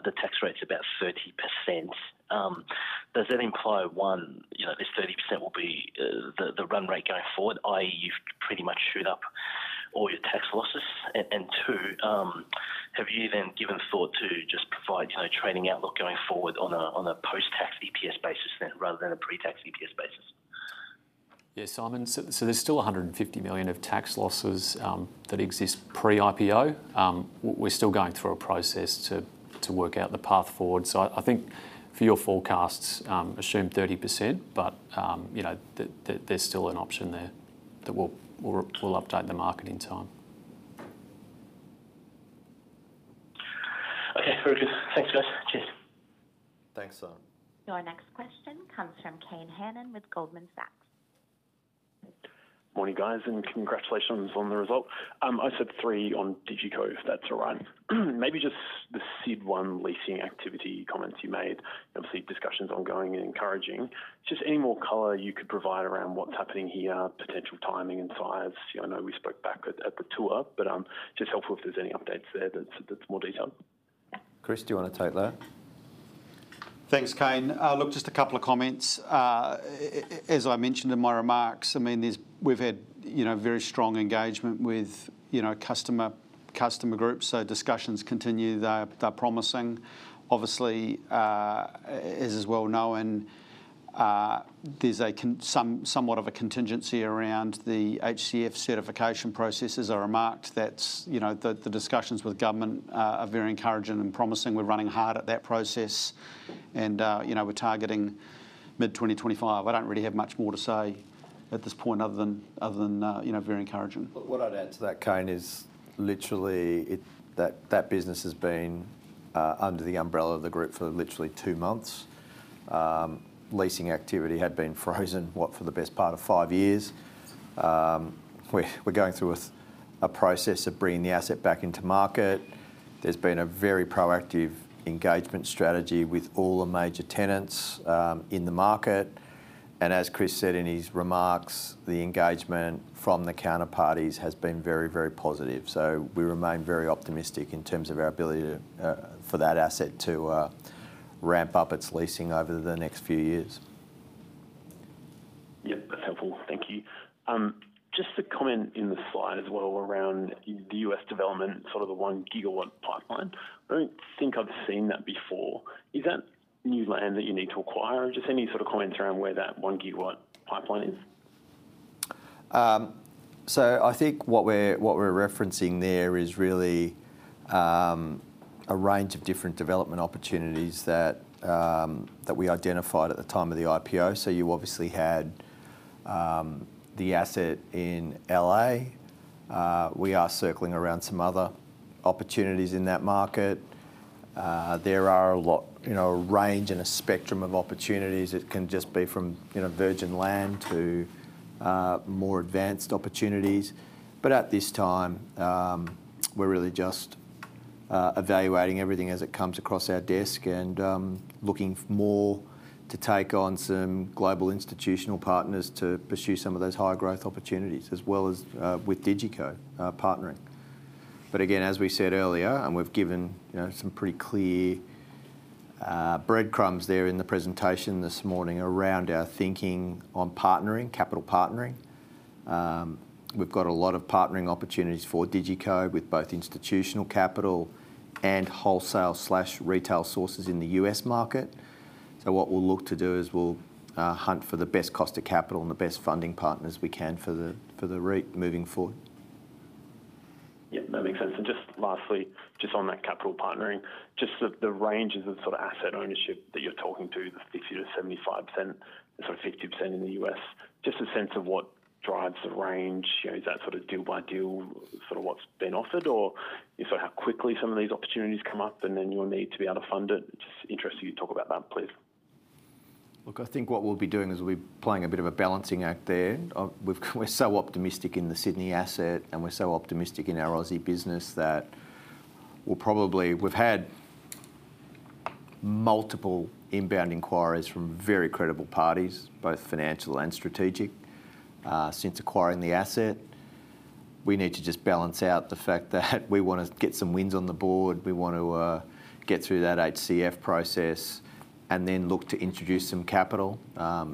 The tax rate's about 30%. Does that imply, one, this 30% will be the run rate going forward, i.e., you've pretty much shot up all your tax losses? And two, have you then given thought to just provide trading outlook going forward on a post-tax EPS basis rather than a pre-tax EPS basis? Yeah, Simon. So there's still $150 million of tax losses that exist pre-IPO. We're still going through a process to work out the path forward. So I think for your forecasts, assume 30%, but there's still an option there that we'll update the market in time. Okay, very good. Thanks, guys. Cheers. Thanks, Simon. Your next question comes from Kane Hannan with Goldman Sachs. Morning, guys, and congratulations on the result. I said Q3 on DigiCo, if that's all right. Maybe just the Sydney One leasing activity comments you made. Obviously, discussions ongoing and encouraging. Just any more color you could provide around what's happening here, potential timing and size. I know we spoke back at the tour, but just helpful if there's any updates there that's more detailed. Chris, do you want to take that? Thanks, Kane. Look, just a couple of comments. As I mentioned in my remarks, I mean, we've had very strong engagement with customer groups, so discussions continue. They're promising. Obviously, as is well known, there's somewhat of a contingency around the HCF certification processes. I remarked that the discussions with government are very encouraging and promising. We're running hard at that process, and we're targeting mid-2025. I don't really have much more to say at this point other than very encouraging. What I'd add to that, Kane, is literally that business has been under the umbrella of the group for literally two months. Leasing activity had been frozen, what, for the best part of five years. We're going through a process of bringing the asset back into market. There's been a very proactive engagement strategy with all the major tenants in the market. And as Chris said in his remarks, the engagement from the counterparties has been very, very positive. So we remain very optimistic in terms of our ability for that asset to ramp up its leasing over the next few years. Yep, that's helpful. Thank you. Just a comment in the slide as well around the U.S. development, sort of the one gigawatt pipeline. I don't think I've seen that before. Is that new land that you need to acquire, or just any sort of comments around where that one gigawatt pipeline is? I think what we're referencing there is really a range of different development opportunities that we identified at the time of the IPO. You obviously had the asset in L.A. We are circling around some other opportunities in that market. There are a lot of range and a spectrum of opportunities. It can just be from virgin land to more advanced opportunities. But at this time, we're really just evaluating everything as it comes across our desk and looking more to take on some global institutional partners to pursue some of those high-growth opportunities, as well as with DigiCo partnering. But again, as we said earlier, and we've given some pretty clear breadcrumbs there in the presentation this morning around our thinking on partnering, capital partnering. We've got a lot of partnering opportunities for DigiCo with both institutional capital and wholesale/retail sources in the U.S. market. So what we'll look to do is we'll hunt for the best cost of capital and the best funding partners we can for the route moving forward. Yep, that makes sense. And just lastly, just on that capital partnering, just the ranges of sort of asset ownership that you're talking to, the 50%-75%, sort of 50% in the U.S. Just a sense of what drives the range. Is that sort of deal by deal sort of what's being offered, or is that how quickly some of these opportunities come up and then you'll need to be able to fund it? Just interested you to talk about that, please. Look, I think what we'll be doing is we'll be playing a bit of a balancing act there. We're so optimistic in the Sydney asset, and we're so optimistic in our Aussie business that we'll probably have had multiple inbound inquiries from very credible parties, both financial and strategic, since acquiring the asset. We need to just balance out the fact that we want to get some wins on the board. We want to get through that HCF process and then look to introduce some capital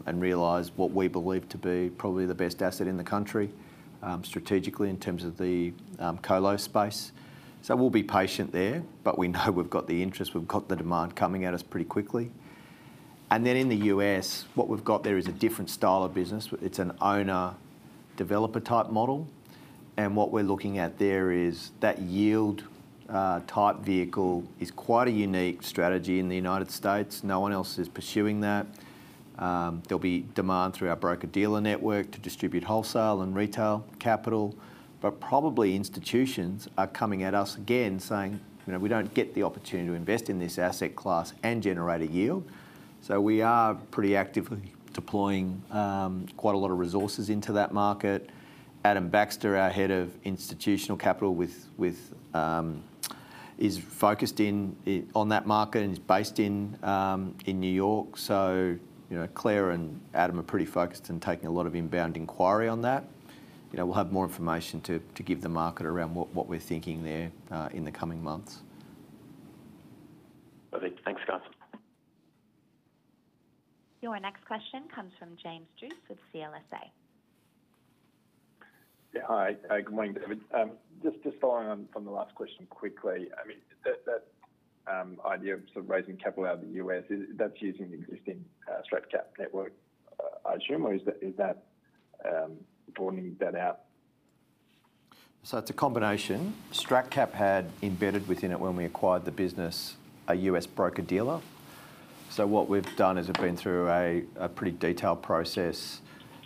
and realize what we believe to be probably the best asset in the country strategically in terms of the co-lo space. So we'll be patient there, but we know we've got the interest. We've got the demand coming at us pretty quickly. And then in the U.S., what we've got there is a different style of business. It's an owner-developer type model. What we're looking at there is that yield type vehicle is quite a unique strategy in the United States. No one else is pursuing that. There'll be demand through our broker-dealer network to distribute wholesale and retail capital, but probably institutions are coming at us again saying, "We don't get the opportunity to invest in this asset class and generate a yield." We are pretty actively deploying quite a lot of resources into that market. Adam Baxter, our Head of Institutional Capital, is focused on that market and is based in New York. Claire and Adam are pretty focused and taking a lot of inbound inquiry on that. We'll have more information to give the market around what we're thinking there in the coming months. Perfect. Thanks, guys. Your next question comes from James Druce with CLSA. Hi, good morning, David. Just following on from the last question quickly, I mean, that idea of sort of raising capital out of the U.S., that's using the existing StratCap network, I assume, or is that broadening that out? It's a combination. StratCap had embedded within it when we acquired the business a U.S. broker-dealer. What we've done is we've been through a pretty detailed process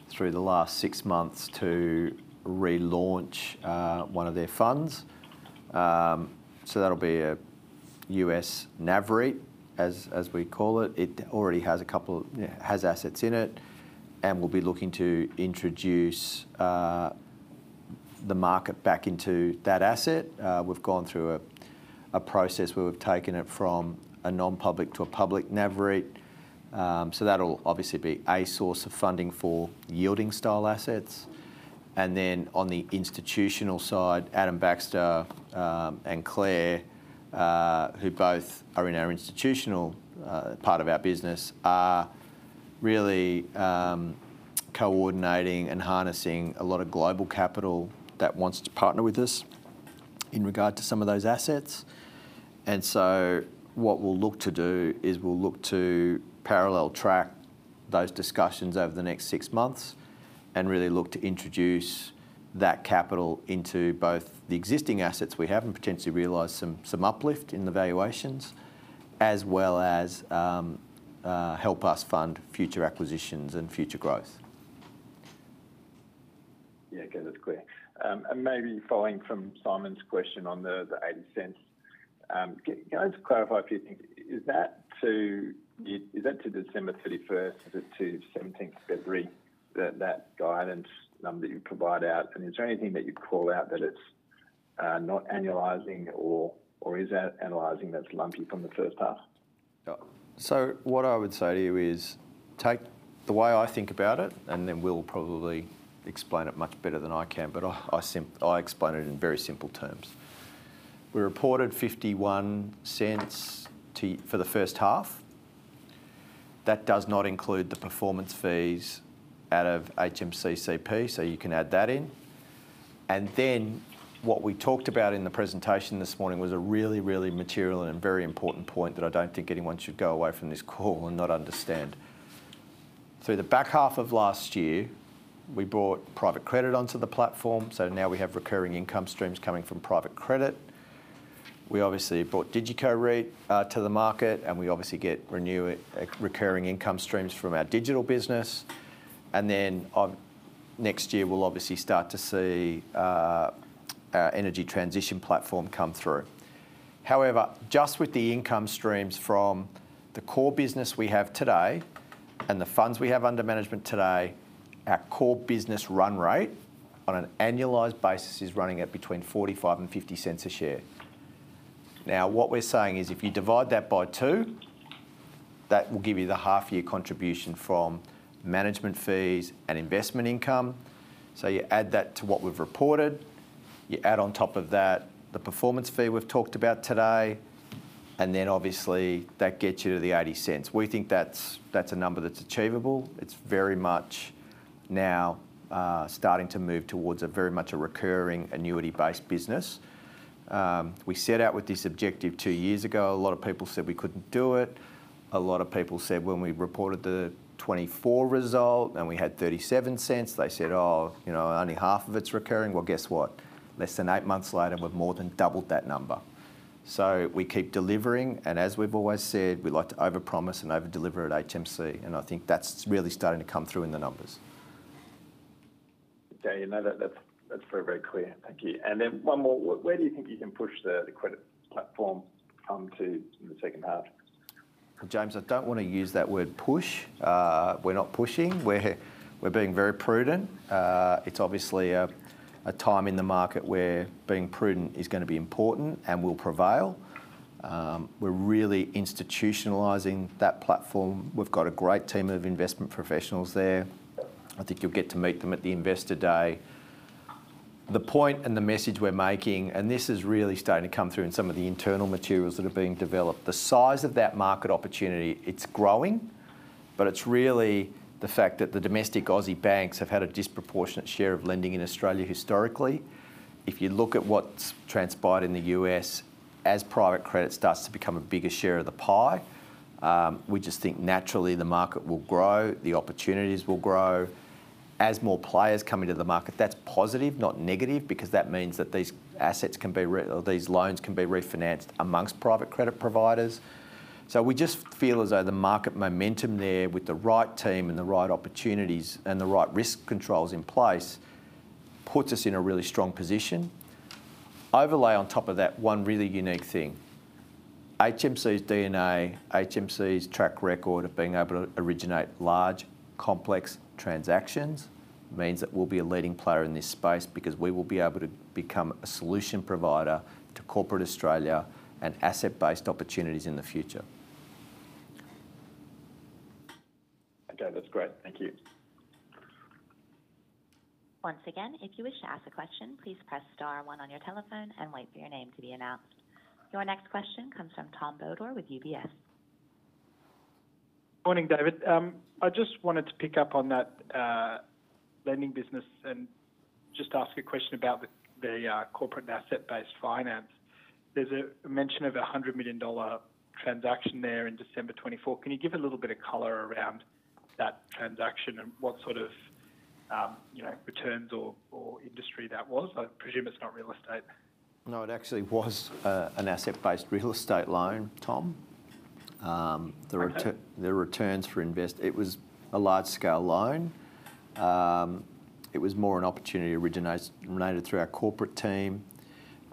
through the last six months to relaunch one of their funds. That'll be a U.S. NavReit, as we call it. It already has a couple of assets in it, and we'll be looking to introduce the market back into that asset. We've gone through a process where we've taken it from a non-public to a public NavReit. That'll obviously be a source of funding for yielding style assets. Then on the institutional side, Adam Baxter and Claire, who both are in our institutional part of our business, are really coordinating and harnessing a lot of global capital that wants to partner with us in regard to some of those assets. And so what we'll look to do is we'll look to parallel track those discussions over the next six months and really look to introduce that capital into both the existing assets we have and potentially realize some uplift in the valuations, as well as help us fund future acquisitions and future growth. Yeah, good. That's clear. And maybe following from Simon's question on the 0.80, can I just clarify a few things? Is that to December 31st? Is it to 17th February that guidance number that you provide out? And is there anything that you call out that it's not annualizing or is annualizing that's lumpy from the first half? So what I would say to you is take the way I think about it, and then Will probably explain it much better than I can, but I explain it in very simple terms. We reported 0.51 for the first half. That does not include the performance fees out of HMCCP, so you can add that in. And then what we talked about in the presentation this morning was a really, really material and very important point that I don't think anyone should go away from this call and not understand. Through the back half of last year, we brought private credit onto the platform, so now we have recurring income streams coming from private credit. We obviously brought DigiCo REIT to the market, and we obviously get recurring income streams from our digital business. And then next year, we'll obviously start to see our energy transition platform come through. However, just with the income streams from the core business we have today and the funds we have under management today, our core business run rate on an annualized basis is running at between $0.45 and $0.50 a share. Now, what we're saying is if you divide that by two, that will give you the half-year contribution from management fees and investment income. So you add that to what we've reported. You add on top of that the performance fee we've talked about today, and then obviously that gets you to the $0.80. We think that's a number that's achievable. It's very much now starting to move towards very much a recurring annuity-based business. We set out with this objective two years ago. A lot of people said we couldn't do it. A lot of people said when we reported the 2024 result and we had 0.37, they said, "Oh, only half of it's recurring." Well, guess what? Less than eight months later, we've more than doubled that number. So we keep delivering, and as we've always said, we like to overpromise and overdeliver at HMC, and I think that's really starting to come through in the numbers. Okay, that's very, very clear. Thank you, and then one more. Where do you think you can push the credit platform to in the second half? James, I don't want to use that word push. We're not pushing. We're being very prudent. It's obviously a time in the market where being prudent is going to be important and will prevail. We're really institutionalizing that platform. We've got a great team of investment professionals there. I think you'll get to meet them at the Investor Day. The point and the message we're making, and this is really starting to come through in some of the internal materials that are being developed, the size of that market opportunity, it's growing, but it's really the fact that the domestic Aussie banks have had a disproportionate share of lending in Australia historically. If you look at what's transpired in the U.S., as private credit starts to become a bigger share of the pie, we just think naturally the market will grow, the opportunities will grow. As more players come into the market, that's positive, not negative, because that means that these assets can be or these loans can be refinanced amongst private credit providers. So we just feel as though the market momentum there with the right team and the right opportunities and the right risk controls in place puts us in a really strong position. Overlay on top of that, one really unique thing. HMC's DNA, HMC's track record of being able to originate large, complex transactions means that we'll be a leading player in this space because we will be able to become a solution provider to corporate Australia and asset-based opportunities in the future. Okay, that's great. Thank you. Once again, if you wish to ask a question, please press star one on your telephone and wait for your name to be announced. Your next question comes from Tom Bodor with UBS. Morning, David. I just wanted to pick up on that lending business and just ask a question about the corporate and asset-based finance. There's a mention of a 100 million dollar transaction there in December 2024. Can you give a little bit of color around that transaction and what sort of returns or industry that was? I presume it's not real estate. No, it actually was an asset-based real estate loan, Tom. Right. The investment was a large-scale loan. It was more an opportunity originated through our corporate team.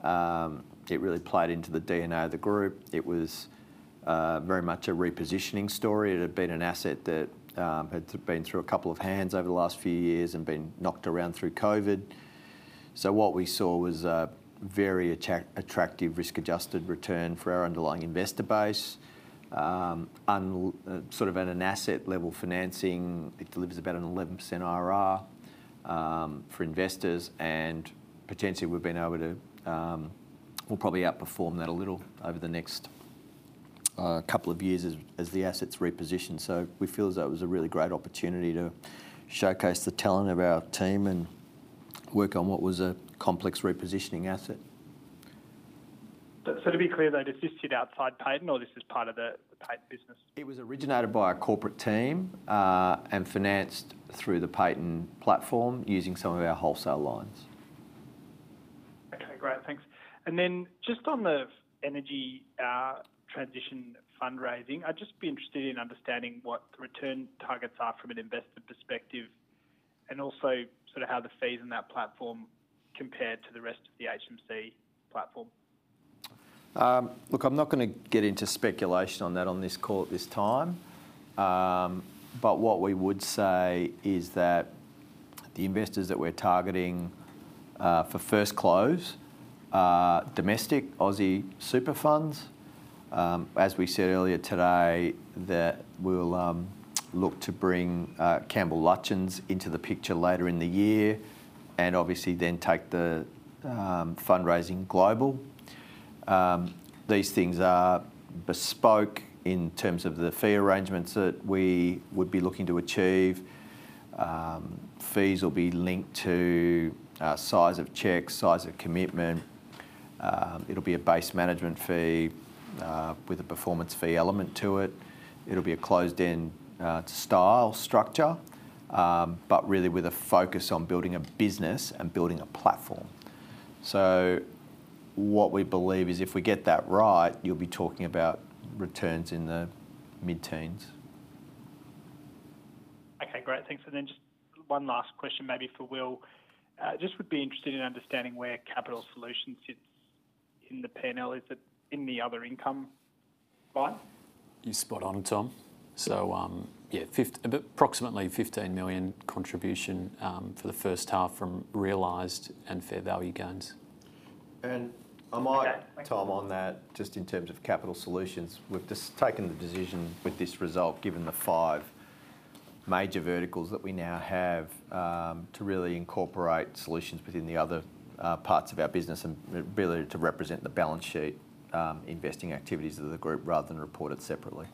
It really played into the DNA of the group. It was very much a repositioning story. It had been an asset that had been through a couple of hands over the last few years and been knocked around through COVID. So what we saw was a very attractive risk-adjusted return for our underlying investor base. Sort of at an asset-level financing, it delivers about an 11% RR for investors, and potentially we'll probably outperform that a little over the next couple of years as the assets reposition. So we feel as though it was a really great opportunity to showcase the talent of our team and work on what was a complex repositioning asset. So to be clear, though, this is outside Payton, or this is part of the Payton business? It was originated by a corporate team and financed through the Payton platform using some of our wholesale lines. Okay, great. Thanks. And then just on the energy transition fundraising, I'd just be interested in understanding what the return targets are from an investor perspective and also sort of how the fees in that platform compare to the rest of the HMC platform. Look, I'm not going to get into speculation on that on this call at this time, but what we would say is that the investors that we're targeting for first close, domestic Aussie super funds, as we said earlier today, that we'll look to bring Campbell Lutyens into the picture later in the year and obviously then take the fundraising global. These things are bespoke in terms of the fee arrangements that we would be looking to achieve. Fees will be linked to size of checks, size of commitment. It'll be a base management fee with a performance fee element to it. It'll be a closed-end style structure, but really with a focus on building a business and building a platform. So what we believe is if we get that right, you'll be talking about returns in the mid-teens. Okay, great. Thanks. And then just one last question maybe for Will. Just would be interested in understanding where Capital Solutions sits in the panel. Is it in the other income line? You're spot on, Tom. So yeah, approximately $15 million contribution for the first half from realized and fair value gains. I might, Tom, on that, just in terms of Capital Solutions, we've just taken the decision with this result, given the five major verticals that we now have, to really incorporate solutions within the other parts of our business and really to represent the balance sheet investing activities of the group rather than report it separately.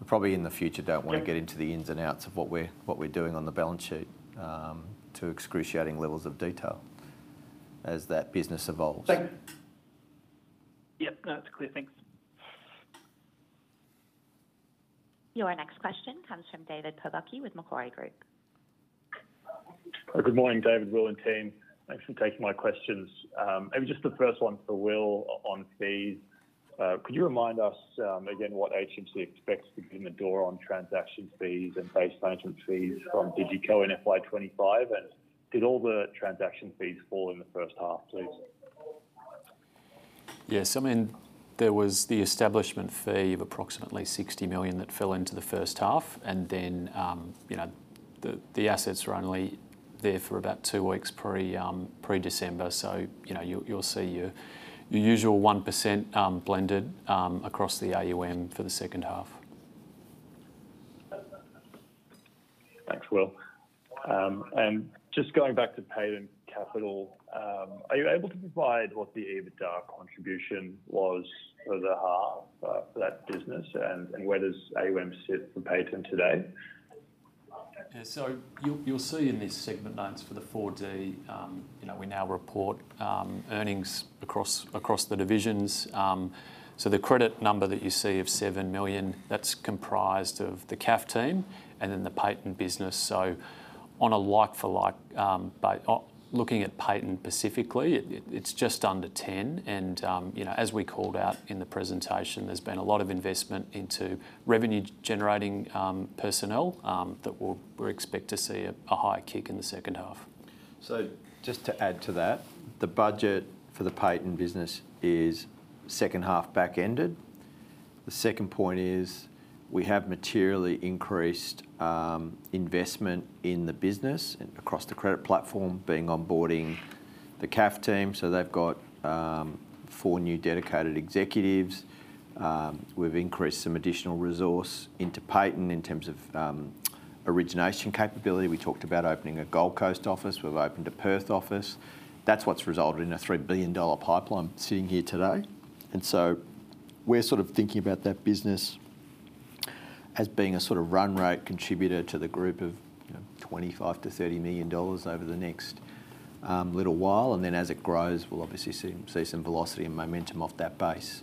We probably in the future don't want to get into the ins and outs of what we're doing on the balance sheet to excruciating levels of detail as that business evolves. Thank you. Yep, no, that's clear. Thanks. Your next question comes from David Pobocky with Macquarie Group. Good morning, David, Will, and team. Thanks for taking my questions. Maybe just the first one for Will on fees. Could you remind us again what HMC expects to begin to earn on transaction fees and base management fees from DigiCo in FY25? And did all the transaction fees fall in the first half, please? Yes. I mean, there was the establishment fee of approximately 60 million that fell into the first half, and then the assets are only there for about two weeks pre-December. So you'll see your usual 1% blended across the AUM for the second half. Thanks, Will. And just going back to Payton Capital, are you able to provide what the EBITDA contribution was for the half for that business, and where does AUM sit for Payton today? You'll see in these segment lines for the FY24, we now report earnings across the divisions. The credit number that you see of 7 million, that's comprised of the CAF team and then the Payton business. On a like-for-like, but looking at Payton specifically, it's just under 10 million. As we called out in the presentation, there's been a lot of investment into revenue-generating personnel that we expect to see a higher kick in the second half. Just to add to that, the budget for the Payton business is second half back-ended. The second point is we have materially increased investment in the business across the credit platform, being onboarding the CAF team. They've got four new dedicated executives. We've increased some additional resource into Payton in terms of origination capability. We talked about opening a Gold Coast office. We've opened a Perth office. That's what's resulted in a $3 billion pipeline sitting here today. And so we're sort of thinking about that business as being a sort of run rate contributor to the group of $25 million-$30 million over the next little while. And then as it grows, we'll obviously see some velocity and momentum off that base.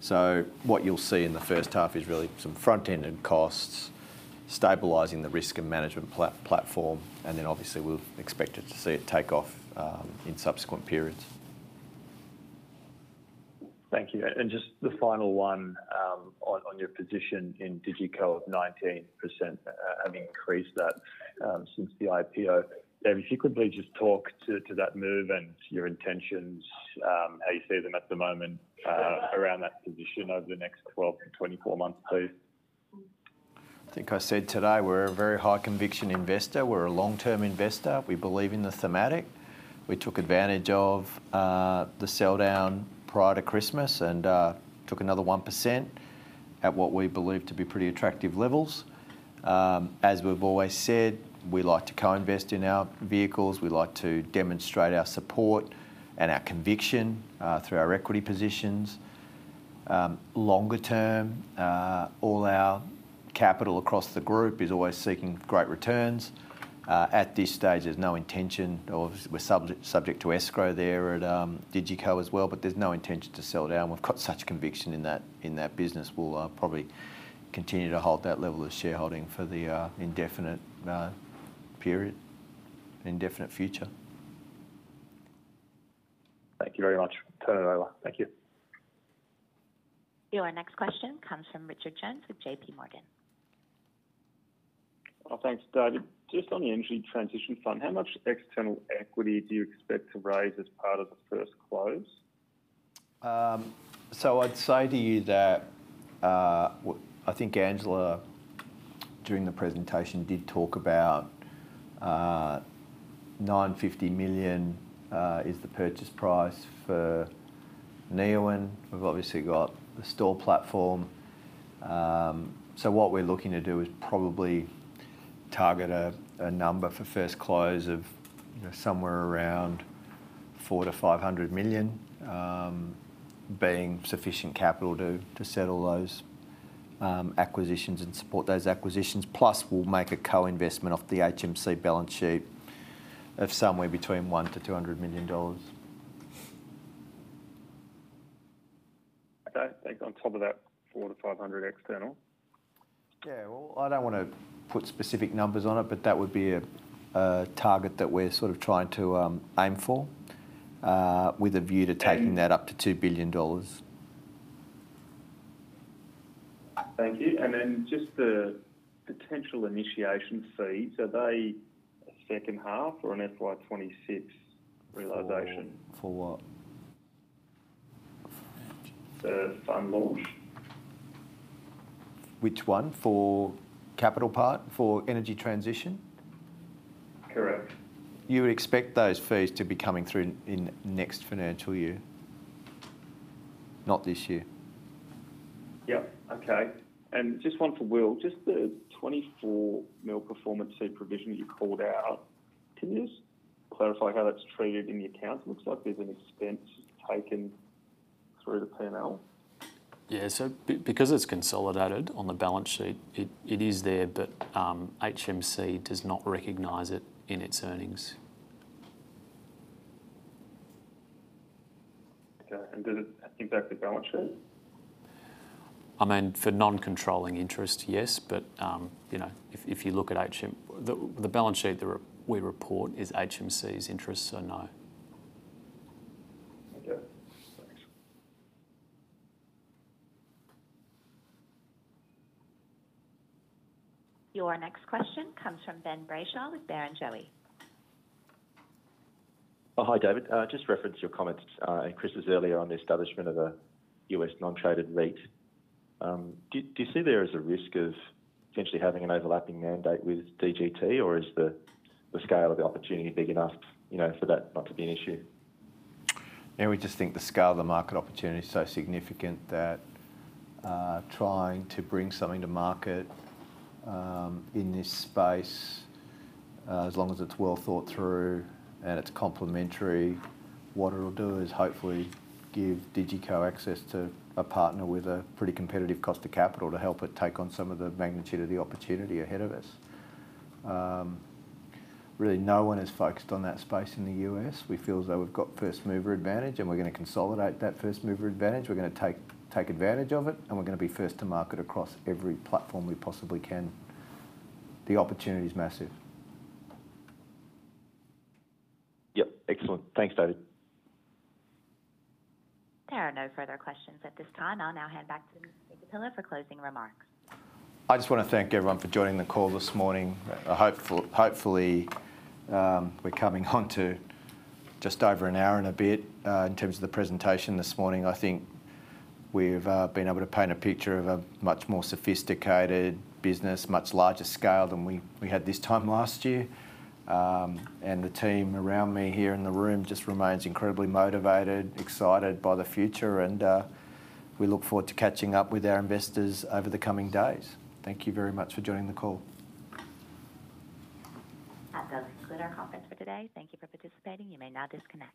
So what you'll see in the first half is really some front-ended costs, stabilizing the risk and management platform, and then obviously we'll expect to see it take off in subsequent periods. Thank you. And just the final one on your position in DigiCo of 19%, having increased that since the IPO. David, if you could please just talk to that move and your intentions, how you see them at the moment around that position over the next 12 to 24 months, please. I think I said today we're a very high-conviction investor. We're a long-term investor. We believe in the thematic. We took advantage of the sell-down prior to Christmas and took another 1% at what we believe to be pretty attractive levels. As we've always said, we like to co-invest in our vehicles. We like to demonstrate our support and our conviction through our equity positions. Longer term, all our capital across the group is always seeking great returns. At this stage, there's no intention, or we're subject to escrow there at DigiCo as well, but there's no intention to sell down. We've got such conviction in that business. We'll probably continue to hold that level of shareholding for the indefinite period, indefinite future. Thank you very much. Turn it over. Thank you. Your next question comes from Richard Jones with JP Morgan. Thanks, David. Just on the energy transition fund, how much external equity do you expect to raise as part of the first close? So I'd say to you that I think Angela during the presentation did talk about 950 million is the purchase price for Neoen. We've obviously got the Stor platform. So what we're looking to do is probably target a number for first close of somewhere around 400million-500 million being sufficient capital to settle those acquisitions and support those acquisitions. Plus, we'll make a co-investment off the HMC balance sheet of somewhere between AUD 100 million-AUD 200 million. Okay. Think on top of that, four to 500 external. Yeah. I don't want to put specific numbers on it, but that would be a target that we're sort of trying to aim for with a view to taking that up to 2 billion dollars. Thank you. And then just the potential initiation fee. The second half or an FY26 realization? For what? For fund launch. Which one? For capital part for energy transition? Correct. You would expect those fees to be coming through in next financial year, not this year. Yep. Okay. And just one for Will. Just the 24 million performance fee provision that you called out. To just clarify how that's treated in the accounts, it looks like there's an expense taken through the P&L. Yeah, so because it's consolidated on the balance sheet, it is there, but HMC does not recognize it in its earnings. Okay. And does it impact the balance sheet? I mean, for non-controlling interest, yes. But if you look at the balance sheet we report is HMC's interest, so no. Okay. Thanks. Your next question comes from Ben Brayshaw with Barrenjoey. Hi, David. Just referenced your comments this morning earlier on the establishment of a U.S. non-traded REIT. Do you see there as a risk of potentially having an overlapping mandate with DGT, or is the scale of the opportunity big enough for that not to be an issue? Yeah. We just think the scale of the market opportunity is so significant that trying to bring something to market in this space, as long as it's well thought through and it's complementary, what it'll do is hopefully give DigiCo access to a partner with a pretty competitive cost of capital to help it take on some of the magnitude of the opportunity ahead of us. Really, no one is focused on that space in the US. We feel as though we've got first mover advantage, and we're going to consolidate that first mover advantage. We're going to take advantage of it, and we're going to be first to market across every platform we possibly can. The opportunity is massive. Yep. Excellent. Thanks, David. There are no further questions at this time. I'll now hand back to Mr. Pilla for closing remarks. I just want to thank everyone for joining the call this morning. Hopefully, we're coming on to just over an hour and a bit in terms of the presentation this morning. I think we've been able to paint a picture of a much more sophisticated business, much larger scale than we had this time last year, and the team around me here in the room just remains incredibly motivated, excited by the future, and we look forward to catching up with our investors over the coming days. Thank you very much for joining the call. That does conclude our conference for today. Thank you for participating. You may now disconnect.